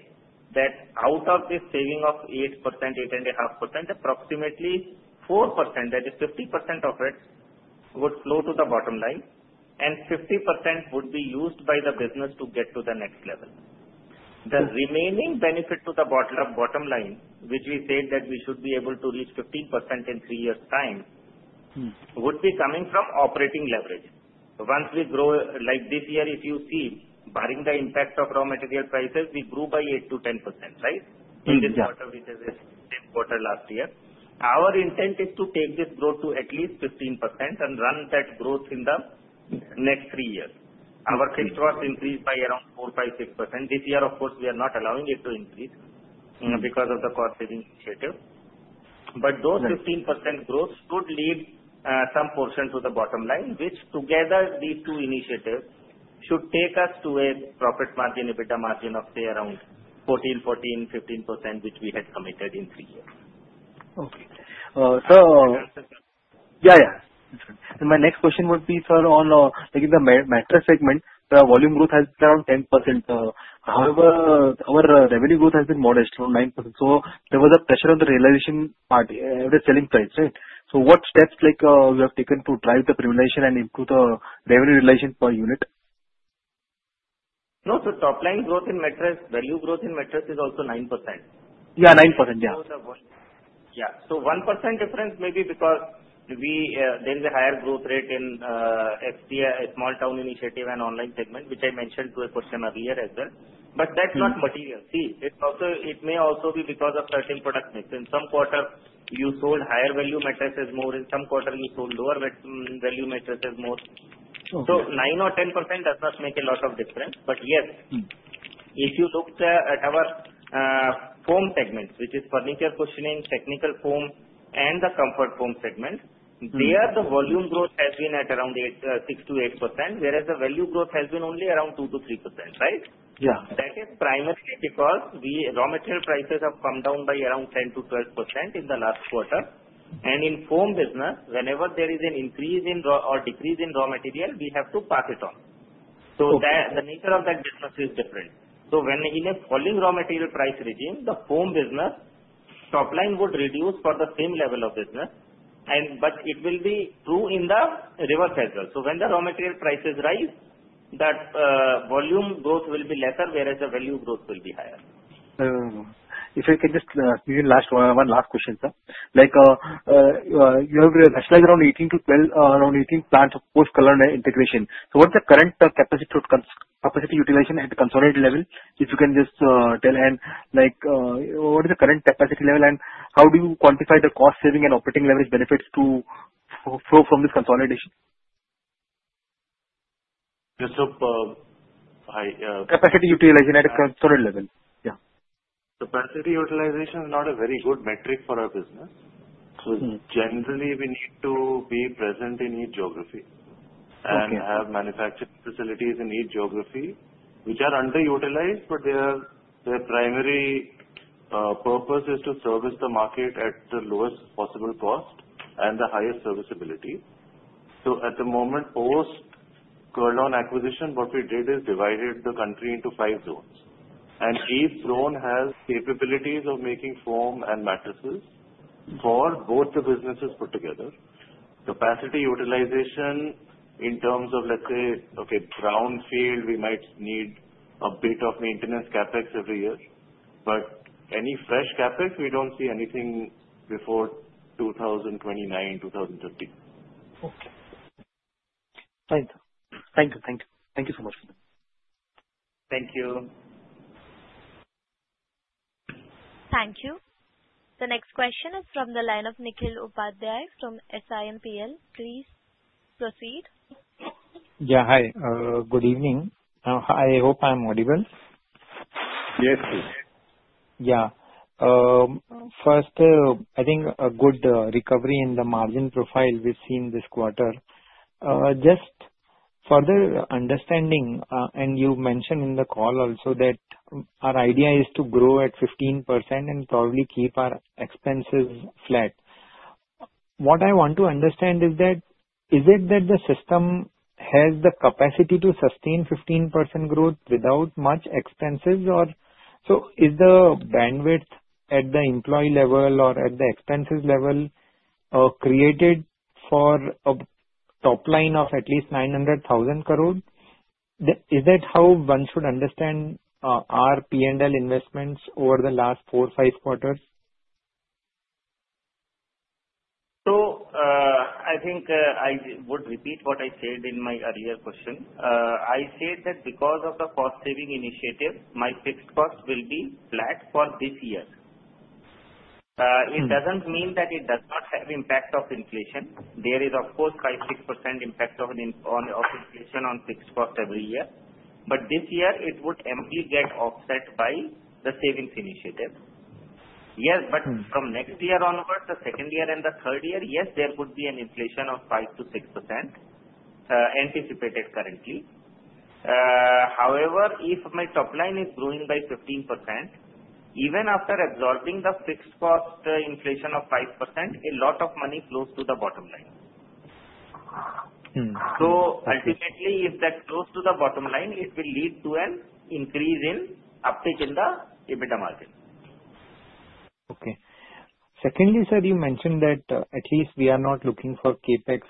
that out of this saving of 8%, 8.5%, approximately 4%, that is 50% of it, would flow to the bottom line, and 50% would be used by the business to get to the next level. The remaining benefit to the bottom line, which we said that we should be able to reach 15% in three years' time, would be coming from operating leverage. Once we grow, like this year, if you see, barring the impact of raw material prices, we grew by 8%-10%, right? This is the quarter which is the same quarter last year. Our intent is to take this growth to at least 15% and run that growth in the next three years. Our cash flow has increased by around 4%-6%. This year, of course, we are not allowing it to increase because of the cost saving initiative. But those 15% growth should lead some portion to the bottom line, which together, these two initiatives should take us to a profit margin, EBITDA margin of, say, around 14%-15%, which we had committed in three years. Okay. So. Yeah, yeah. And my next question would be, sir, on the mattress segment, the volume growth has been around 10%. However, our revenue growth has been modest, around 9%. So there was a pressure on the realization part, the selling price, right? So what steps we have taken to drive the penetration and improve the revenue realization per unit? No, so top-line growth in mattress, value growth in mattress is also 9%. Yeah, 9%. Yeah. Yeah. So 1% difference may be because there is a higher growth rate in Small-Town Initiative and online segment, which I mentioned to a question earlier as well. But that's not material. See, it may also be because of certain product mix. In some quarter, you sold higher-value mattresses more; in some quarter, you sold lower-value mattresses more. So 9% or 10% does not make a lot of difference. But yes, if you look at our foam segments, which is furniture cushioning, technical foam, and the comfort foam segment, there, the volume growth has been at around 6%-8%, whereas the value growth has been only around 2%-3%, right? Yeah. That is primarily because raw material prices have come down by around 10%-12% in the last quarter, and in foam business, whenever there is an increase or decrease in raw material, we have to pass it on, so the nature of that business is different, so when in a falling raw material price regime, the foam business top-line would reduce for the same level of business, but it will be true in the reverse as well, so when the raw material prices rise, that volume growth will be lesser, whereas the value growth will be higher. If I can just give you one last question, sir. You have consolidated around 18 to 12, around 18 plants post-Kurlon integration. So what's the current capacity utilization at the consolidated level, if you can just tell? And what is the current capacity level, and how do you quantify the cost saving and operating leverage benefits to flow from this consolidation? Just so I. Capacity utilization at a consolidated level, yeah. Capacity utilization is not a very good metric for our business. So generally, we need to be present in each geography and have manufacturing facilities in each geography, which are underutilized, but their primary purpose is to service the market at the lowest possible cost and the highest serviceability. So at the moment, post-Kurlon acquisition, what we did is divided the country into five zones. And each zone has capabilities of making foam and mattresses for both the businesses put together. Capacity utilization in terms of, let's say, okay, on the ground, we might need a bit of maintenance CapEx every year. But any fresh CapEx, we don't see anything before 2029, 2030. Okay. Thank you. Thank you. Thank you. Thank you so much. Thank you. Thank you. The next question is from the line of Nikhil Upadhyay from SiMPL. Please proceed. Yeah. Hi. Good evening. I hope I'm audible. Yes, please. Yeah. First, I think a good recovery in the margin profile we've seen this quarter. Just further understanding, and you mentioned in the call also that our idea is to grow at 15% and probably keep our expenses flat. What I want to understand is that is it that the system has the capacity to sustain 15% growth without much expenses? So is the bandwidth at the employee level or at the expenses level created for a top line of at least 900,000 crores? Is that how one should understand our P&L investments over the last four, five quarters? I think I would repeat what I said in my earlier question. I said that because of the cost saving initiative, my fixed cost will be flat for this year. It doesn't mean that it does not have impact of inflation. There is, of course, 5%-6% impact of inflation on fixed cost every year. But this year, it would amply get offset by the savings initiative. Yes, but from next year onward, the second year and the third year, yes, there could be an inflation of 5%-6% anticipated currently. However, if my top line is growing by 15%, even after absorbing the fixed cost inflation of 5%, a lot of money flows to the bottom line. So ultimately, if that flows to the bottom line, it will lead to an increase in uptake in the EBITDA margin. Okay. Secondly, sir, you mentioned that at least we are not looking for CapEx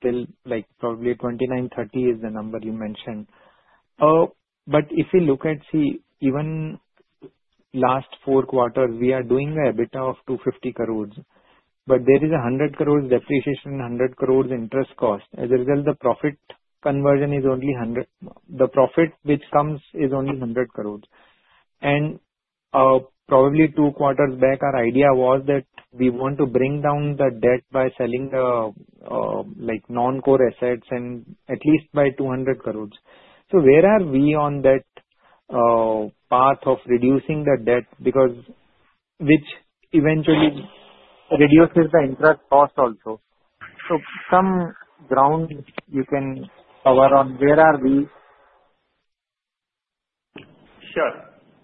till probably 2029, 2030 is the number you mentioned. But if you look at, see, even last four quarters, we are doing an EBITDA of 250 crores, but there is a 100 crores depreciation and 100 crores interest cost. As a result, the profit conversion is only 100 crores. The profit which comes is only 100 crores. And probably two quarters back, our idea was that we want to bring down the debt by selling non-core assets and at least by 200 crores. So where are we on that path of reducing the debt because which eventually reduces the interest cost also? So some ground you can cover on. Where are we? Sure.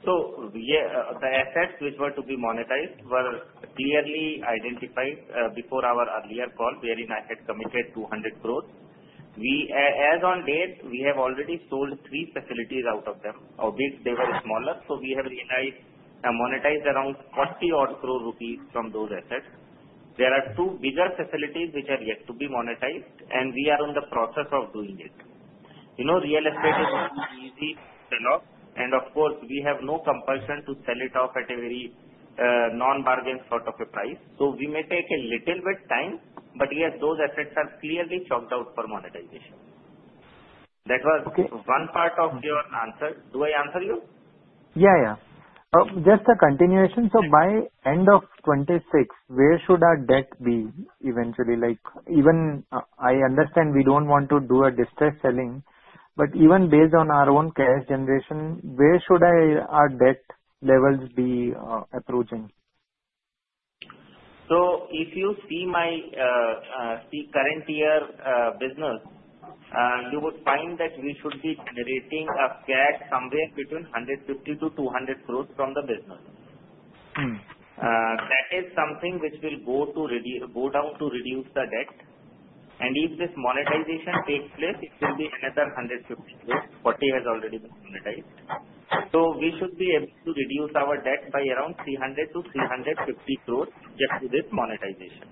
So yeah, the assets which were to be monetized were clearly identified before our earlier call, wherein I had committed 200 crores. As on date, we have already sold three facilities out of them. They were smaller, so we have monetized around 40-odd crore rupees from those assets. There are two bigger facilities which are yet to be monetized, and we are in the process of doing it. Real estate is an easy sell-off, and of course, we have no compulsion to sell it off at a very non-bargain sort of a price. So we may take a little bit of time, but yes, those assets are clearly chalked out for monetization. That was one part of your answer. Do I answer you? Yeah, yeah. Just a continuation. So by end of 2026, where should our debt be eventually? Even I understand we don't want to do a distressed selling, but even based on our own cash generation, where should our debt levels be approaching? If you see my current year business, you would find that we should be generating a cash somewhere between 150 crores-200 crores from the business. That is something which will go down to reduce the debt. And if this monetization takes place, it will be another 150 crores. 40 has already been monetized. So we should be able to reduce our debt by around 300 crores-350 crores just with this monetization.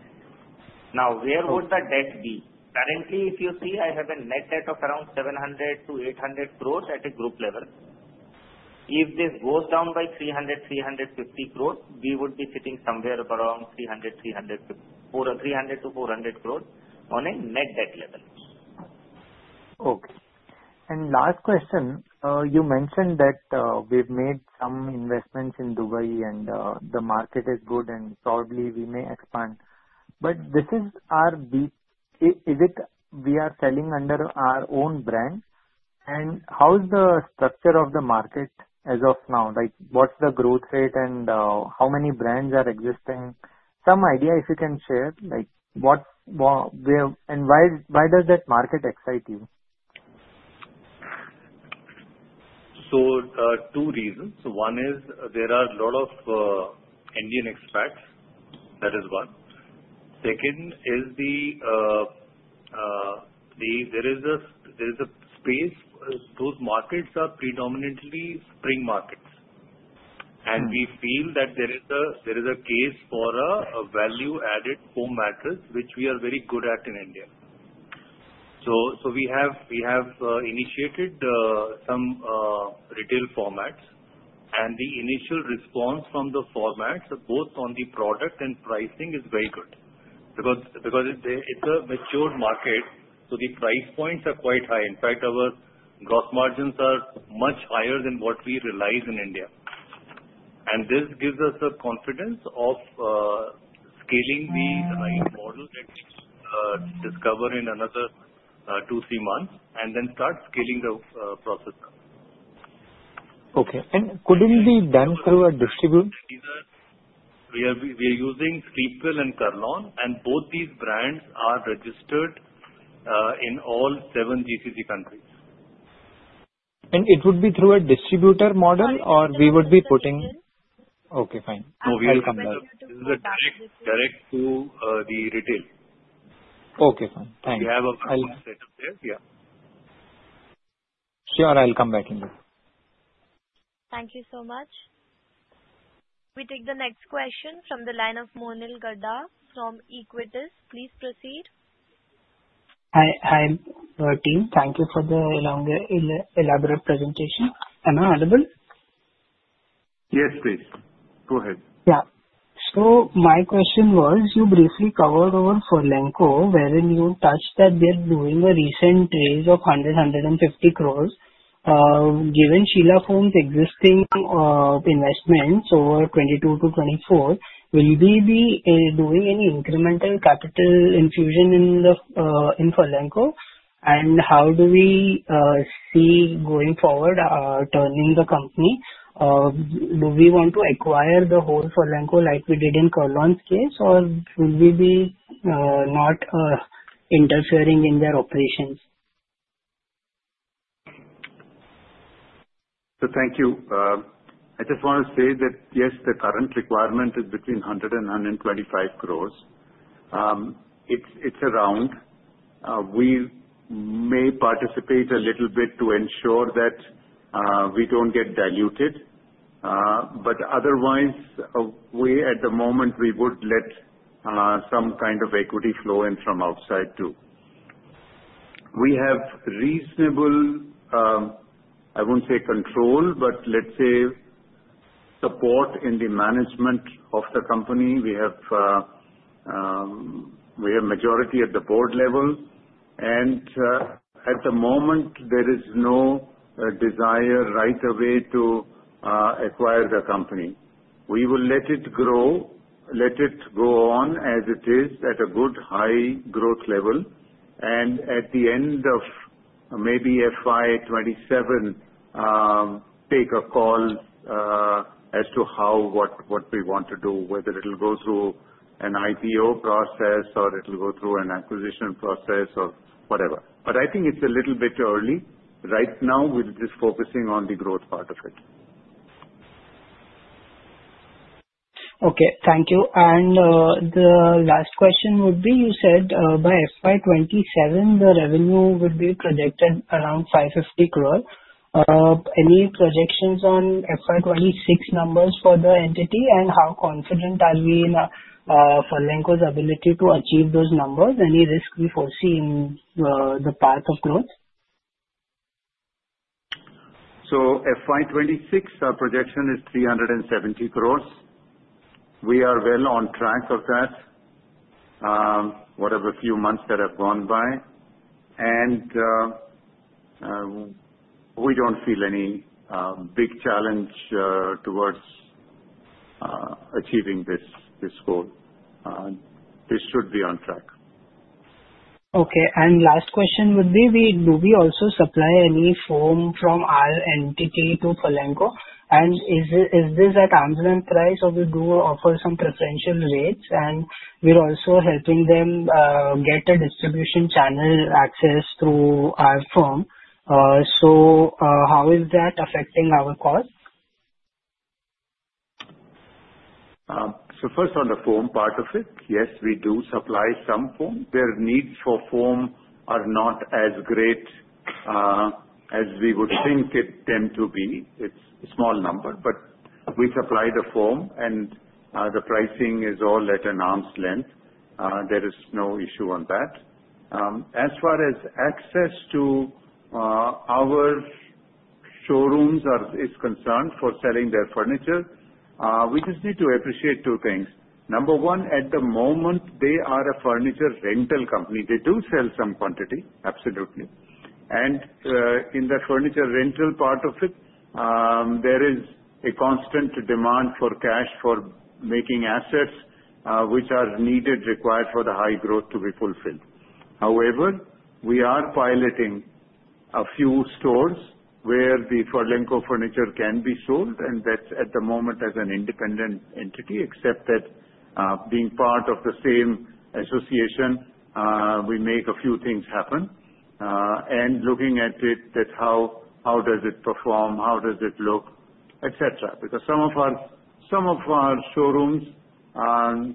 Now, where would the debt be? Currently, if you see, I have a net debt of around 700 crores-800 crores at a group level. If this goes down by 300 crores-350 crores, we would be sitting somewhere around 300 crores, 300 crores-400 crores on a net debt level. Okay. And last question, you mentioned that we've made some investments in Dubai, and the market is good, and probably we may expand. But this is our beat. Is it we are selling under our own brand? And how is the structure of the market as of now? What's the growth rate, and how many brands are existing? Some idea, if you can share, why does that market excite you? So, two reasons. One is there are a lot of Indian expats. That is one. Second, there is a space. Those markets are predominantly spring markets. And we feel that there is a case for a value-added foam mattress, which we are very good at in India. So we have initiated some retail formats, and the initial response from the formats, both on the product and pricing, is very good. Because it's a matured market, so the price points are quite high. In fact, our gross margins are much higher than what we realize in India. And this gives us the confidence of scaling the right model that we discover in another two, three months, and then start scaling the process. Okay. And couldn't we then through a distribution? We are using Sleepwell and Kurlon, and both these brands are registered in all seven GCC countries. And it would be through a distributor model, or we would be putting? Okay, fine. No, we will come back. This is a direct to the retail. Okay, fine. Thanks. We have a platform set up there, yeah. Sure, I'll come back in. Thank you so much. We take the next question from the line of Monil Gada from Equentis. Please proceed. Hi, team. Thank you for the elaborate presentation. Am I audible? Yes, please. Go ahead. Yeah. So my question was, you briefly covered over Furlenco, wherein you touched that they're doing a recent raise of 100 crores-150 crores. Given Sheela Foam's existing investments over 2022 to 2024, will we be doing any incremental capital infusion in Furlenco? And how do we see going forward turning the company? Do we want to acquire the whole Furlenco like we did in Kurlon's case, or will we be not interfering in their operations? So thank you. I just want to say that, yes, the current requirement is between 100 crore and 125 crore. It's around. We may participate a little bit to ensure that we don't get diluted. But otherwise, at the moment, we would let some kind of equity flow in from outside too. We have reasonable, I won't say control, but let's say support in the management of the company. We have majority at the board level. And at the moment, there is no desire right away to acquire the company. We will let it grow, let it go on as it is at a good high growth level. And at the end of maybe FY 2027, take a call as to how, what we want to do, whether it'll go through an IPO process or it'll go through an acquisition process or whatever. But I think it's a little bit early. Right now, we're just focusing on the growth part of it. Okay. Thank you. And the last question would be, you said by FY 2027, the revenue would be projected around 550 crores. Any projections on FY 2026 numbers for the entity, and how confident are we in Furlenco's ability to achieve those numbers? Any risk we foresee in the path of growth? FY 2026, our projection is 370 crores. We are well on track of that. Whatever few months that have gone by. We don't feel any big challenge towards achieving this goal. This should be on track. Okay, and last question would be, do we also supply any foam from our entity to Furlenco, and is this at arm's length price, or do we offer some preferential rates, and we're also helping them get a distribution channel access through our firm, so how is that affecting our cost? So first, on the foam part of it, yes, we do supply some foam. Their needs for foam are not as great as we would think it tends to be. It's a small number, but we supply the foam, and the pricing is all at an arm's length. There is no issue on that. As far as access to our showrooms is concerned for selling their furniture, we just need to appreciate two things. Number one, at the moment, they are a furniture rental company. They do sell some quantity, absolutely. And in the furniture rental part of it, there is a constant demand for cash for making assets which are needed, required for the high growth to be fulfilled. However, we are piloting a few stores where the Furlenco furniture can be sold, and that's at the moment as an independent entity, except that being part of the same association, we make a few things happen, and looking at it, how does it perform, how does it look, etc. Because some of our showrooms are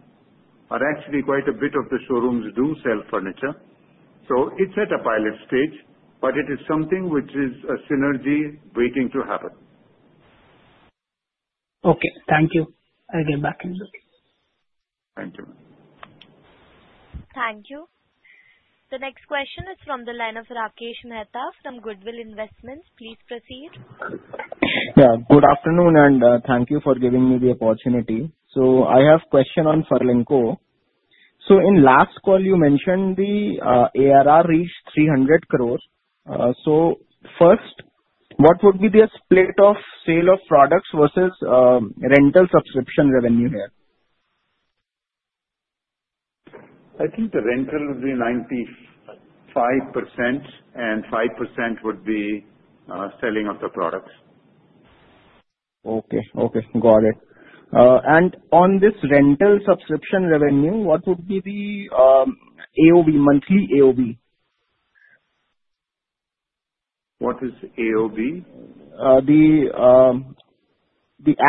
actually quite a bit of the showrooms do sell furniture, so it's at a pilot stage, but it is something which is a synergy waiting to happen. Okay. Thank you. I'll get back in a bit. Thank you. Thank you. The next question is from the line of Rakesh Mehta from Goodwill Investments. Please proceed. Good afternoon, and thank you for giving me the opportunity. I have a question on Furlenco. In last call, you mentioned the ARR reached 300 crores. First, what would be the split of sale of products versus rental subscription revenue here? I think the rental would be 95%, and 5% would be selling of the products. Okay. Okay. Got it. And on this rental subscription revenue, what would be the monthly AOV? What is AOV? The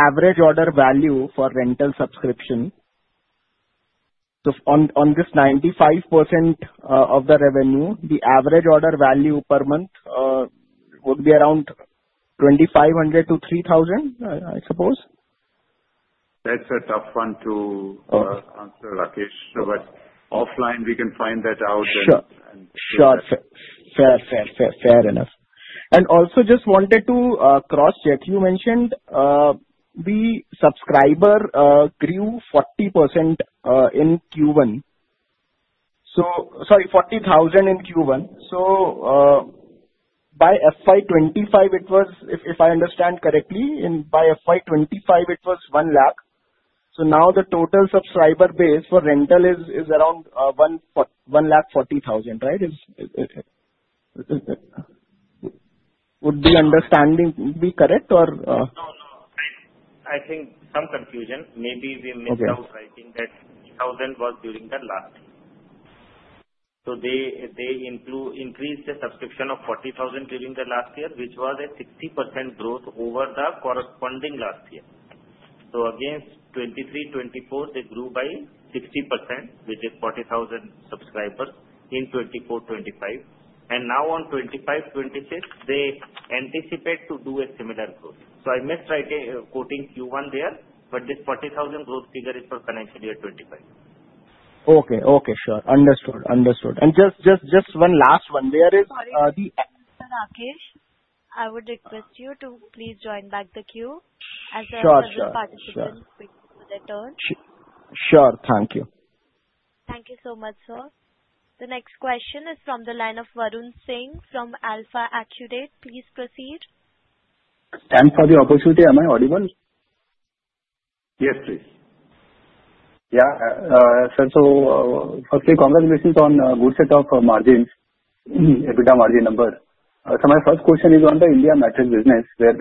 average order value for rental subscription. So on this 95% of the revenue, the average order value per month would be around 2,500-3,000, I suppose. That's a tough one to answer, Rakesh. But offline, we can find that out and. Sure. Fair enough. And also just wanted to cross-check. You mentioned the subscriber grew 40% in Q1. Sorry, 40,000 in Q1. So by FY 2025, it was, if I understand correctly, by FY 2025, it was 100,000. So now the total subscriber base for rental is around 140,000, right? Would the understanding be correct, or? No, no. I think some confusion. Maybe we missed out. I think that 1,000 was during the last year. So they increased the subscription of 40,000 during the last year, which was a 60% growth over the corresponding last year. So against 2023, 2024, they grew by 60%, which is 40,000 subscribers in 2024, 2025. And now on 2025, 2026, they anticipate to do a similar growth. So I missed quoting Q1 there, but this 40,000 growth figure is for financial year 2025. Okay. Sure. Understood. And just one last one. There is the. Rakesh, I would request you to please join back the queue as the other participants waiting for their turn. Sure. Thank you. Thank you so much, sir. The next question is from the line of Varun Singh from AlfAccurate. Please proceed. Thank you for the opportunity. Am I audible? Yes, please. Yeah. So firstly, congratulations on a good set of margins, EBITDA margin number. So my first question is on the India mattress business, where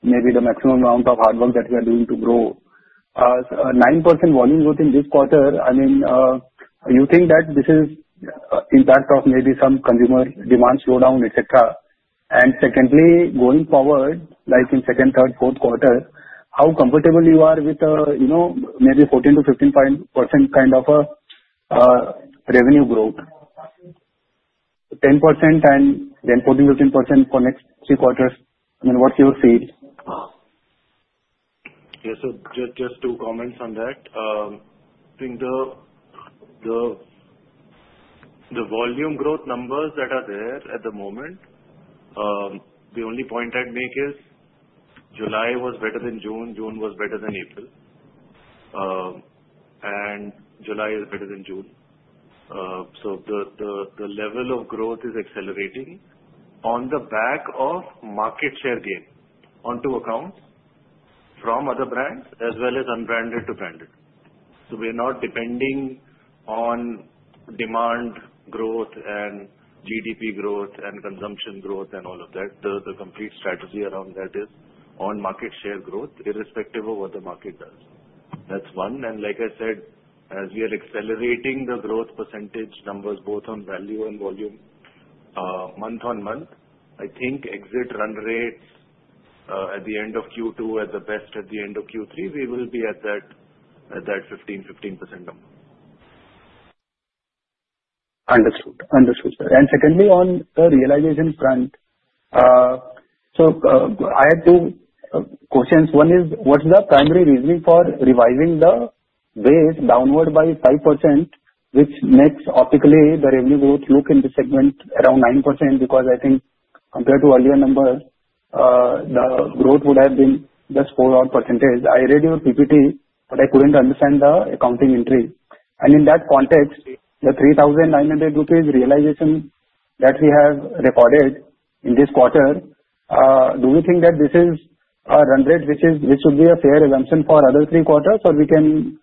maybe the maximum amount of hard work that we are doing to grow, 9% volume growth in this quarter. I mean, you think that this is the impact of maybe some consumer demand slowdown, etc.? And secondly, going forward, like in second, third, fourth quarter, how comfortable you are with maybe 14%-15% kind of a revenue growth? 10% and then 14-15% for next three quarters. I mean, what's your feel? Yes. So just two comments on that. I think the volume growth numbers that are there at the moment, the only point I'd make is July was better than June. June was better than April. And July is better than June. So the level of growth is accelerating on the back of market share gain onto accounts from other brands as well as unbranded to branded. So we're not depending on demand growth and GDP growth and consumption growth and all of that. The complete strategy around that is on market share growth, irrespective of what the market does. That's one. And like I said, as we are accelerating the growth percentage numbers, both on value and volume, month on month, I think exit run rates at the end of Q2 are the best at the end of Q3. We will be at that 15%-15% number. Understood. Understood. And secondly, on the realization front, so I had two questions. One is, what's the primary reasoning for revising the base downward by 5%, which makes optically the revenue growth look in the segment around 9%? Because I think compared to earlier numbers, the growth would have been just 4-odd%. I read your PPT, but I couldn't understand the accounting entry. And in that context, the 3,900 rupees realization that we have recorded in this quarter, do we think that this is a run rate which should be a fair assumption for other three quarters, or we can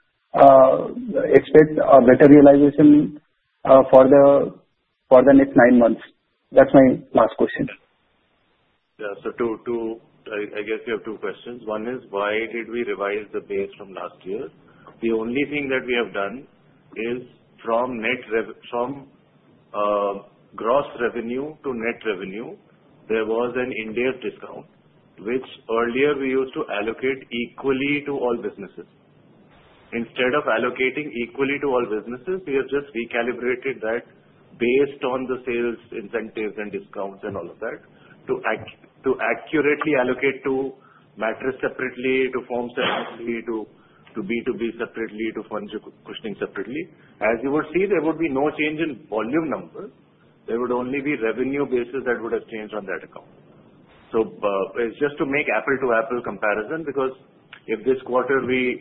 expect a better realization for the next nine months? That's my last question. Yeah. So I guess we have two questions. One is, why did we revise the base from last year? The only thing that we have done is from gross revenue to net revenue, there was an index discount, which earlier we used to allocate equally to all businesses. Instead of allocating equally to all businesses, we have just recalibrated that based on the sales incentives and discounts and all of that to accurately allocate to mattress separately, to foam separately, to B2B separately, to furniture cushioning separately. As you will see, there would be no change in volume numbers. There would only be revenue basis that would have changed on that account. So it's just to make apple-to-apple comparison because if this quarter we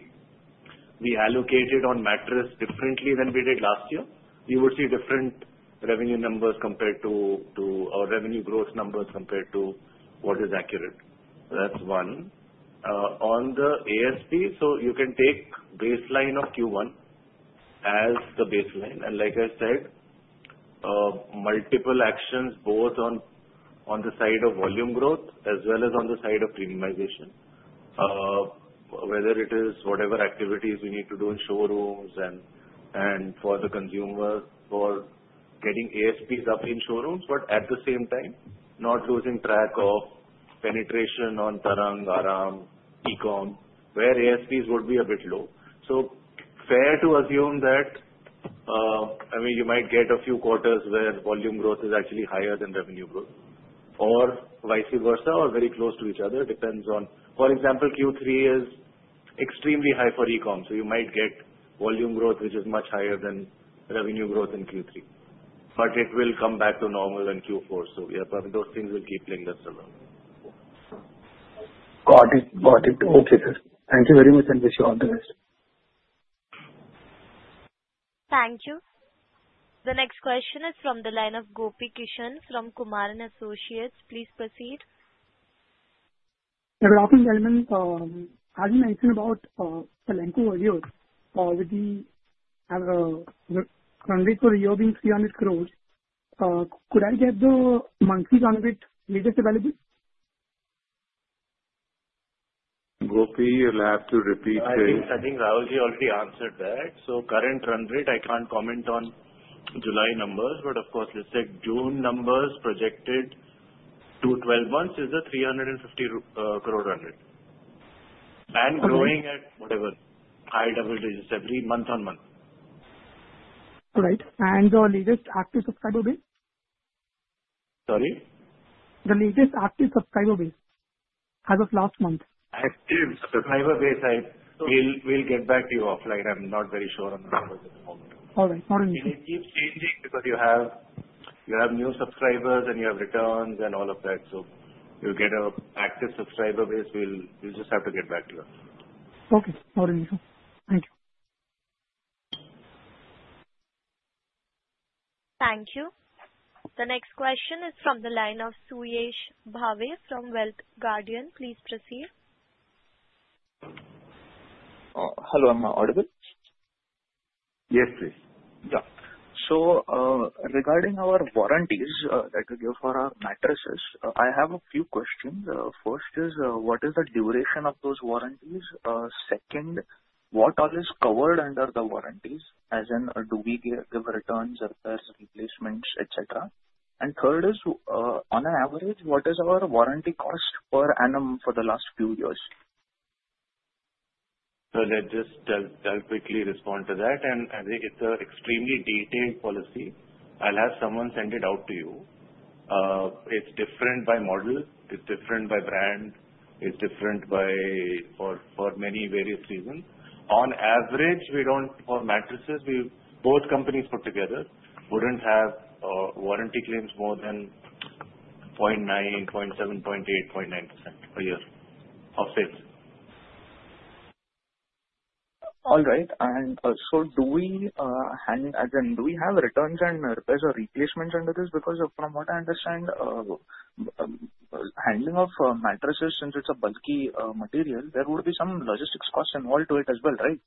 allocated on mattress differently than we did last year, we would see different revenue numbers compared to our revenue growth numbers compared to what is accurate. That's one. On the ASP, so you can take baseline of Q1 as the baseline, and like I said, multiple actions both on the side of volume growth as well as on the side of minimization, whether it is whatever activities we need to do in showrooms and for the consumer for getting ASPs up in showrooms, but at the same time, not losing track of penetration on Tarang, Aaram, e-com, where ASPs would be a bit low. So, fair to assume that, I mean, you might get a few quarters where volume growth is actually higher than revenue growth, or vice versa, or very close to each other. It depends on, for example, Q3 is extremely high for e-com. So you might get volume growth, which is much higher than revenue growth in Q3. But it will come back to normal in Q4. So those things will keep playing their role. Got it. Got it. Okay, sir. Thank you very much, and wish you all the best. Thank you. The next question is from the line of Gopi Kishan from Kumaran Associates. Please proceed. The last thing, gentlemen, as you mentioned about Furlenco earlier, with the run rate for a year being INR 300 crores, could I get the monthly run rate latest available? Gopi, you'll have to repeat it. I think Rahulji already answered that. So current run rate, I can't comment on July numbers, but of course, let's take June numbers projected to 12 months is a 350 crore rupees run rate. And growing at whatever, high double digits every month on month. Right. And the latest active subscriber base? Sorry? The latest active subscriber base as of last month? Active subscriber base, I will get back to you offline. I'm not very sure on the numbers at the moment. All right. Not an issue. It keeps changing because you have new subscribers and you have returns and all of that. So you'll get an active subscriber base. We'll just have to get back to you. Okay. Not an issue. Thank you. Thank you. The next question is from the line of Suyash Bhave from Wealth Guardian. Please proceed. Hello. Am I audible? Yes, please. Yeah, so regarding our warranties that we give for our mattresses, I have a few questions. First is, what is the duration of those warranties? Second, what all is covered under the warranties, as in do we give returns, repairs, replacements, etc.? And third is, on an average, what is our warranty cost per annum for the last few years? So let me just quickly respond to that. And I think it's an extremely detailed policy. I'll have someone send it out to you. It's different by model. It's different by brand. It's different for many various reasons. On average, for mattresses, both companies put together wouldn't have warranty claims more than 0.9%, 0.7%, 0.8%, 0.9% per year of sales. All right. And so do we handle as in do we have returns and repairs or replacements under this? Because from what I understand, handling of mattresses, since it's a bulky material, there would be some logistics costs involved to it as well, right?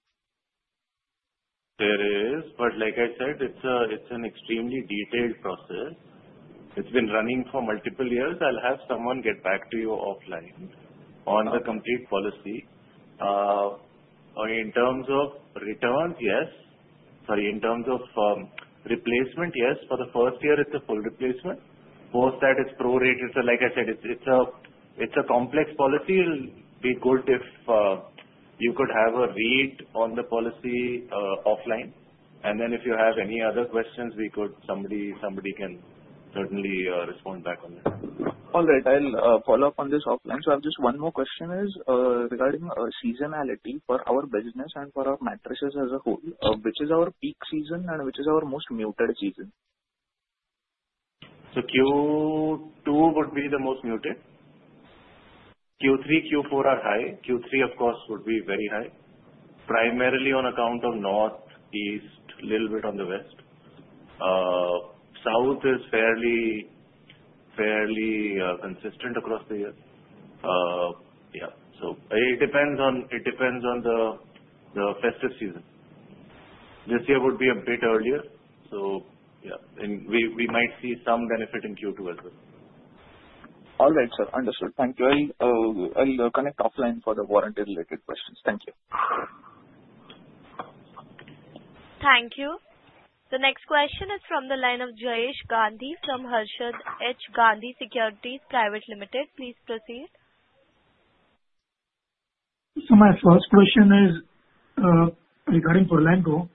There is. But like I said, it's an extremely detailed process. It's been running for multiple years. I'll have someone get back to you offline on the complete policy. In terms of returns, yes. Sorry. In terms of replacement, yes. For the first year, it's a full replacement. Post that, it's pro-rated. So like I said, it's a complex policy. It would be good if you could have a read on the policy offline. And then if you have any other questions, somebody can certainly respond back on that. All right. I'll follow up on this offline. So I have just one more question regarding seasonality for our business and for our mattresses as a whole. Which is our peak season and which is our most muted season? So Q2 would be the most muted. Q3, Q4 are high. Q3, of course, would be very high, primarily on account of north, east, a little bit on the west. South is fairly consistent across the year. Yeah. So it depends on the festive season. This year would be a bit earlier. So yeah, we might see some benefit in Q2 as well. All right, sir. Understood. Thank you. I'll connect offline for the warranty-related questions. Thank you. Thank you. The next question is from the line of Jayesh Gandhi from HARSHAD H GANDHI SEC PVT LTD. Please proceed. So my first question is regarding Furlenco,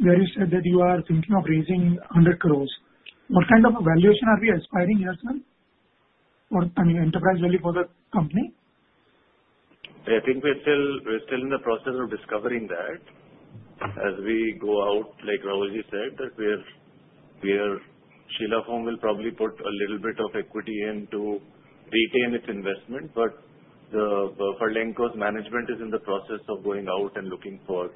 where you said that you are thinking of raising 100 crores. What kind of valuation are we aspiring here, sir? I mean, enterprise value for the company? I think we're still in the process of discovering that as we go out. Like Rahulji said, that we're Sheela Foam will probably put a little bit of equity in to retain its investment. But Furlenco's management is in the process of going out and looking for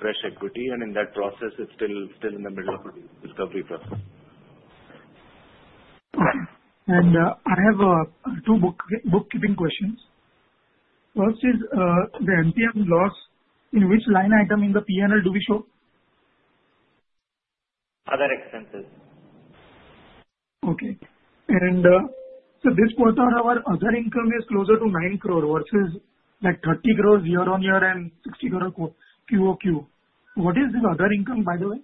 fresh equity, and in that process, it's still in the middle of the discovery process. I have two bookkeeping questions. First is, the MTM loss, in which line item in the P&L do we show? Other expenses. Okay, and so this quarter, our other income is closer to 9 crore versus 30 crores year-on-year and 60 crore QoQ. What is the other income, by the way?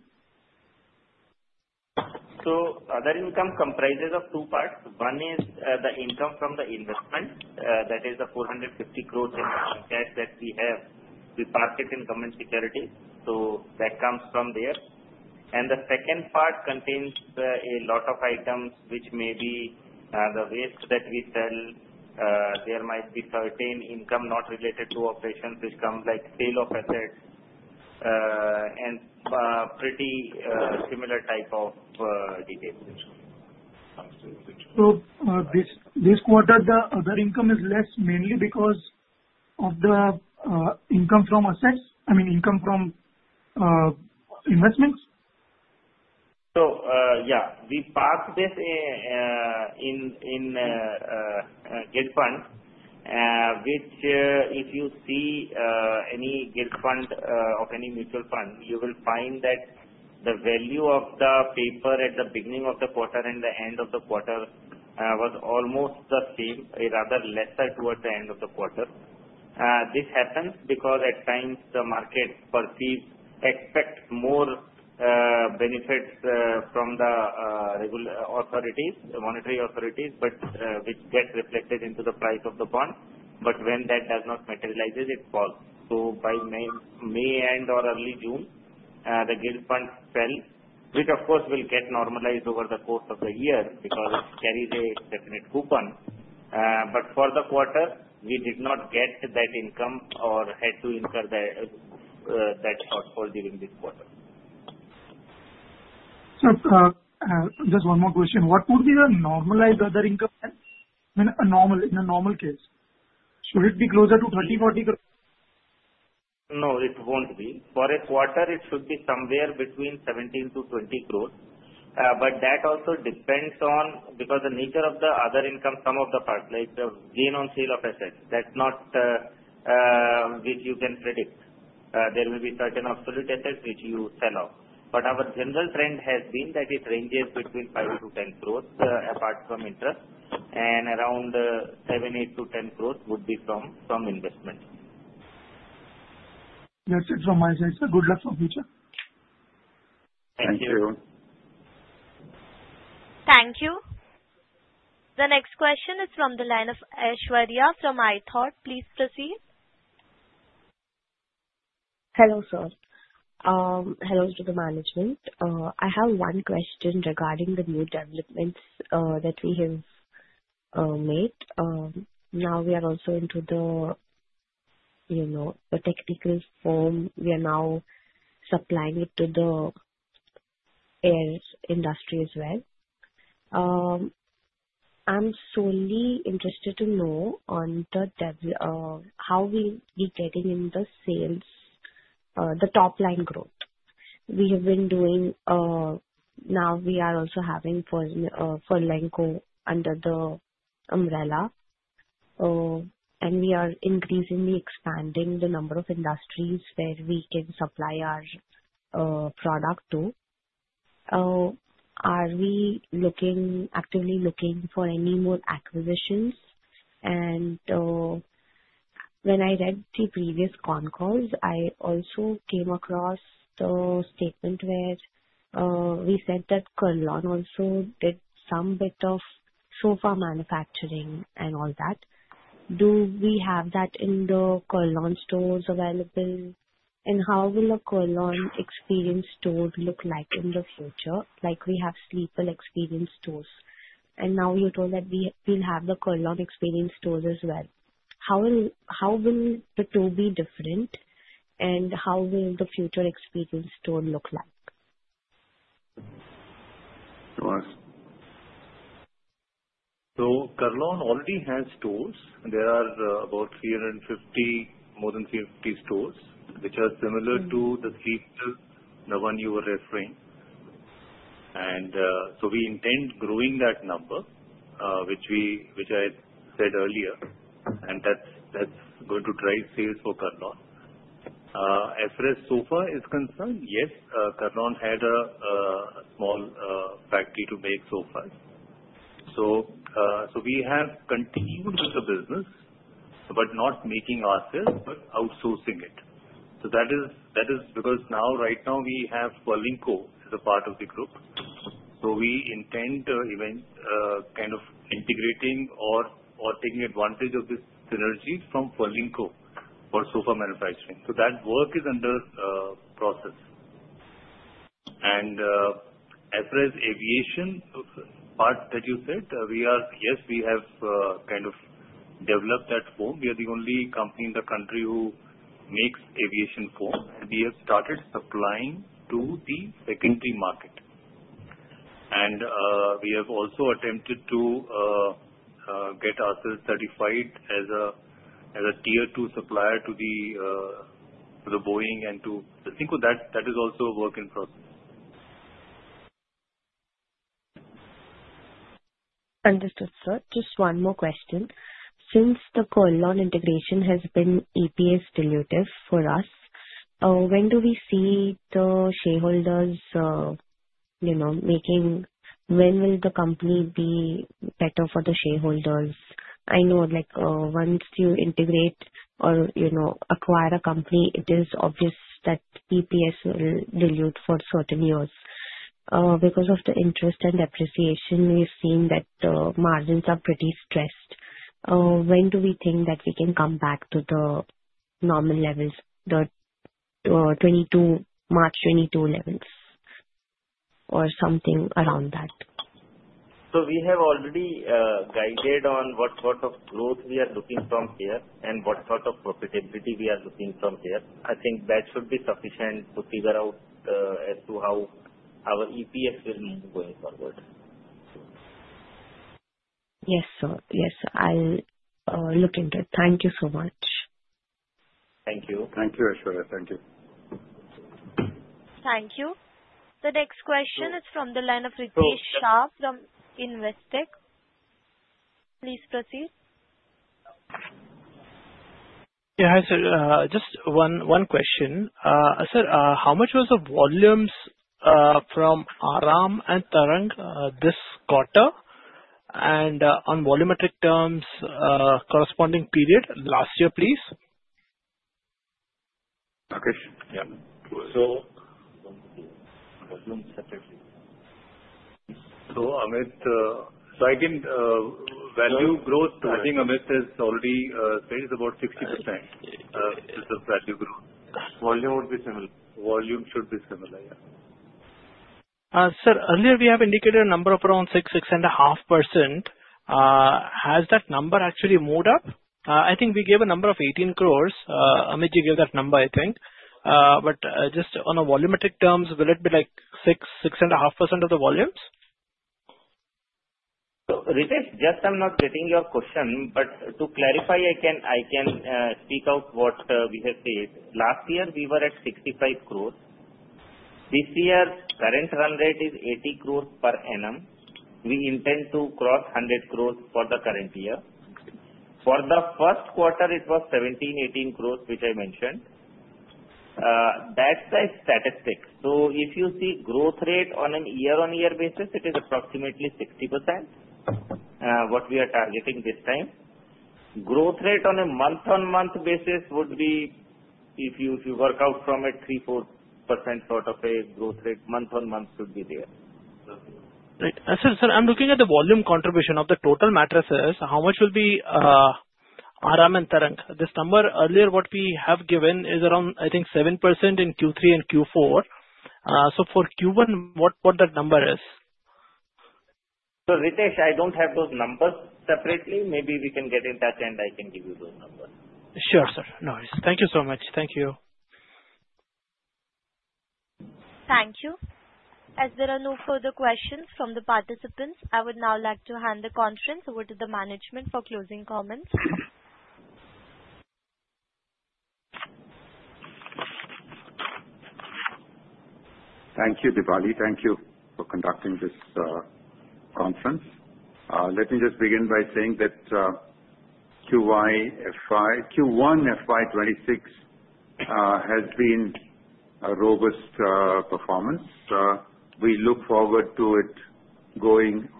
Other income comprises of two parts. One is the income from the investment. That is the 450 crores in cash that we have with marketable government securities. So that comes from there. And the second part contains a lot of items which may be the waste that we sell. There might be certain income not related to operations which comes like sale of assets and pretty similar type of details. So this quarter, the other income is less mainly because of the income from assets? I mean, income from investments? So yeah, we park this in Gilt Fund, which if you see any Gilt Fund of any mutual fund, you will find that the value of the paper at the beginning of the quarter and the end of the quarter was almost the same, rather lesser towards the end of the quarter. This happens because at times, the market perceives, expects more benefits from the authorities, the monetary authorities, which get reflected into the price of the bond. But when that does not materialize, it falls. So by May and/or early June, the Gilt Fund fell, which of course will get normalized over the course of the year because it carries a definite coupon. But for the quarter, we did not get that income or had to incur that shortfall during this quarter. Just one more question. What would be the normalized other income then? I mean, in a normal case, should it be closer to 30 crore-40 crore? No, it won't be. For a quarter, it should be somewhere between 17 crores-20 crores. But that also depends, because the nature of the other income, some of the parts, like the gain on sale of assets, that's not which you can predict. There will be certain obsolete assets which you sell off. But our general trend has been that it ranges between 5 crores-10 crores apart from interest, and around 7 crores, 8 crores-10 crores would be from investment. That's it from my side, sir. Good luck for future. Thank you. Thank you. The next question is from the line of Aishwarya from iThought. Please proceed. Hello sir. Hello to the management. I have one question regarding the new developments that we have made. Now we are also into the technical foam. We are now supplying it to the aero industry as well. I'm solely interested to know on how we'll be getting in the sales, the top-line growth. We have been doing now we are also having Furlenco under the umbrella, and we are increasingly expanding the number of industries where we can supply our product to. Are we actively looking for any more acquisitions? And when I read the previous con calls, I also came across the statement where we said that Kurlon also did some bit of sofa manufacturing and all that. Do we have that in the Kurlon stores available? And how will a Kurlon experience store look like in the future? We have Sleepwell experience stores. Now you told that we'll have the Kurlon experience stores as well. How will the two be different? And how will the future experience store look like? Kurlon already has stores. There are about 350, more than 350 stores which are similar to the Sleepwell, the one you were referring. And so we intend growing that number, which I said earlier, and that's going to drive sales for Kurlon. As far as sofa is concerned, yes, Kurlon had a small factory to make sofas. So we have continued with the business, but not making ourselves, but outsourcing it. So that is because now, right now, we have Furlenco as a part of the group. So we intend kind of integrating or taking advantage of this synergy from Furlenco for sofa manufacturing. So that work is under process. And as far as aviation part that you said, yes, we have kind of developed that foam. We are the only company in the country who makes aviation foam. We have started supplying to the secondary market. We have also attempted to get ourselves certified as a tier two supplier to the Boeing and to Stelia Aerospace. That is also a work in process. Understood, sir. Just one more question. Since the Kurlon integration has been EPS-exclusive for us, when do we see the shareholders making? When will the company be better for the shareholders? I know once you integrate or acquire a company, it is obvious that EPSs will dilute for certain years. Because of the interest and depreciation, we've seen that the margins are pretty stressed. When do we think that we can come back to the normal levels, the March 2022 levels or something around that? So we have already guided on what sort of growth we are looking from here and what sort of profitability we are looking from here. I think that should be sufficient to figure out as to how our EPAs will move going forward. Yes, sir. Yes, sir. I'll look into it. Thank you so much. Thank you. Thank you, Aishwarya. Thank you. Thank you. The next question is from the line of Ritesh Shah from Investec. Please proceed. Yeah, hi sir. Just one question. Sir, how much was the volumes from Aaram and Tarang this quarter? And on volumetric terms, corresponding period last year, please. Okay. Yeah. So, Amit, so I think value growth. I think Amit has already said it's about 60% is the value growth. Volume would be similar. Volume should be similar, yeah. Sir, earlier we have indicated a number of around 6%-6.5%. Has that number actually moved up? I think we gave a number of 18 crores. Amit, you gave that number, I think. But just on a volumetric terms, will it be like 6%-6.5% of the volumes? Ritesh, just, I'm not getting your question. But to clarify, I can speak out what we have said. Last year, we were at 65 crores. This year, current run rate is 80 crores per annum. We intend to cross 100 crores for the current year. For the first quarter, it was 17 crores-18 crores, which I mentioned. That's the statistic. So if you see growth rate on a year-on-year basis, it is approximately 60% what we are targeting this time. Growth rate on a month-on-month basis would be, if you work out from it, 3%-4% sort of a growth rate. Month-on-month should be there. Right. Sir, I'm looking at the volume contribution of the total mattresses. How much will be Aaram and Tarang? This number earlier what we have given is around, I think, 7% in Q3 and Q4. So for Q1, what that number is? So Ritesh, I don't have those numbers separately. Maybe we can get in touch and I can give you those numbers. Sure, sir. No worries. Thank you so much. Thank you. Thank you. As there are no further questions from the participants, I would now like to hand the conference over to the management for closing comments. Thank you, Deepali. Thank you for conducting this conference. Let me just begin by saying that Q1 FY 2026 has been a robust performance. We look forward to it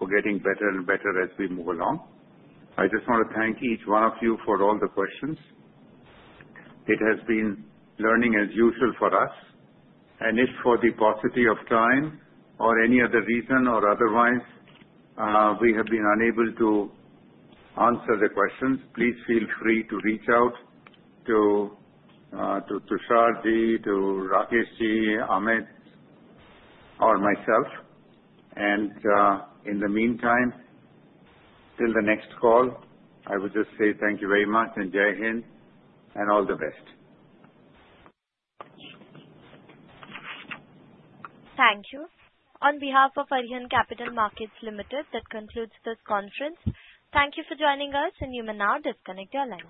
getting better and better as we move along. I just want to thank each one of you for all the questions. It has been learning as usual for us. And if for the paucity of time or any other reason or otherwise, we have been unable to answer the questions, please feel free to reach out to Tushar, to Rakesh, to Amit, or myself. And in the meantime, till the next call, I would just say thank you very much and Jai Hind and all the best. Thank you. On behalf of Arihant Capital Markets Limited, that concludes this conference. Thank you for joining us, and you may now disconnect your line.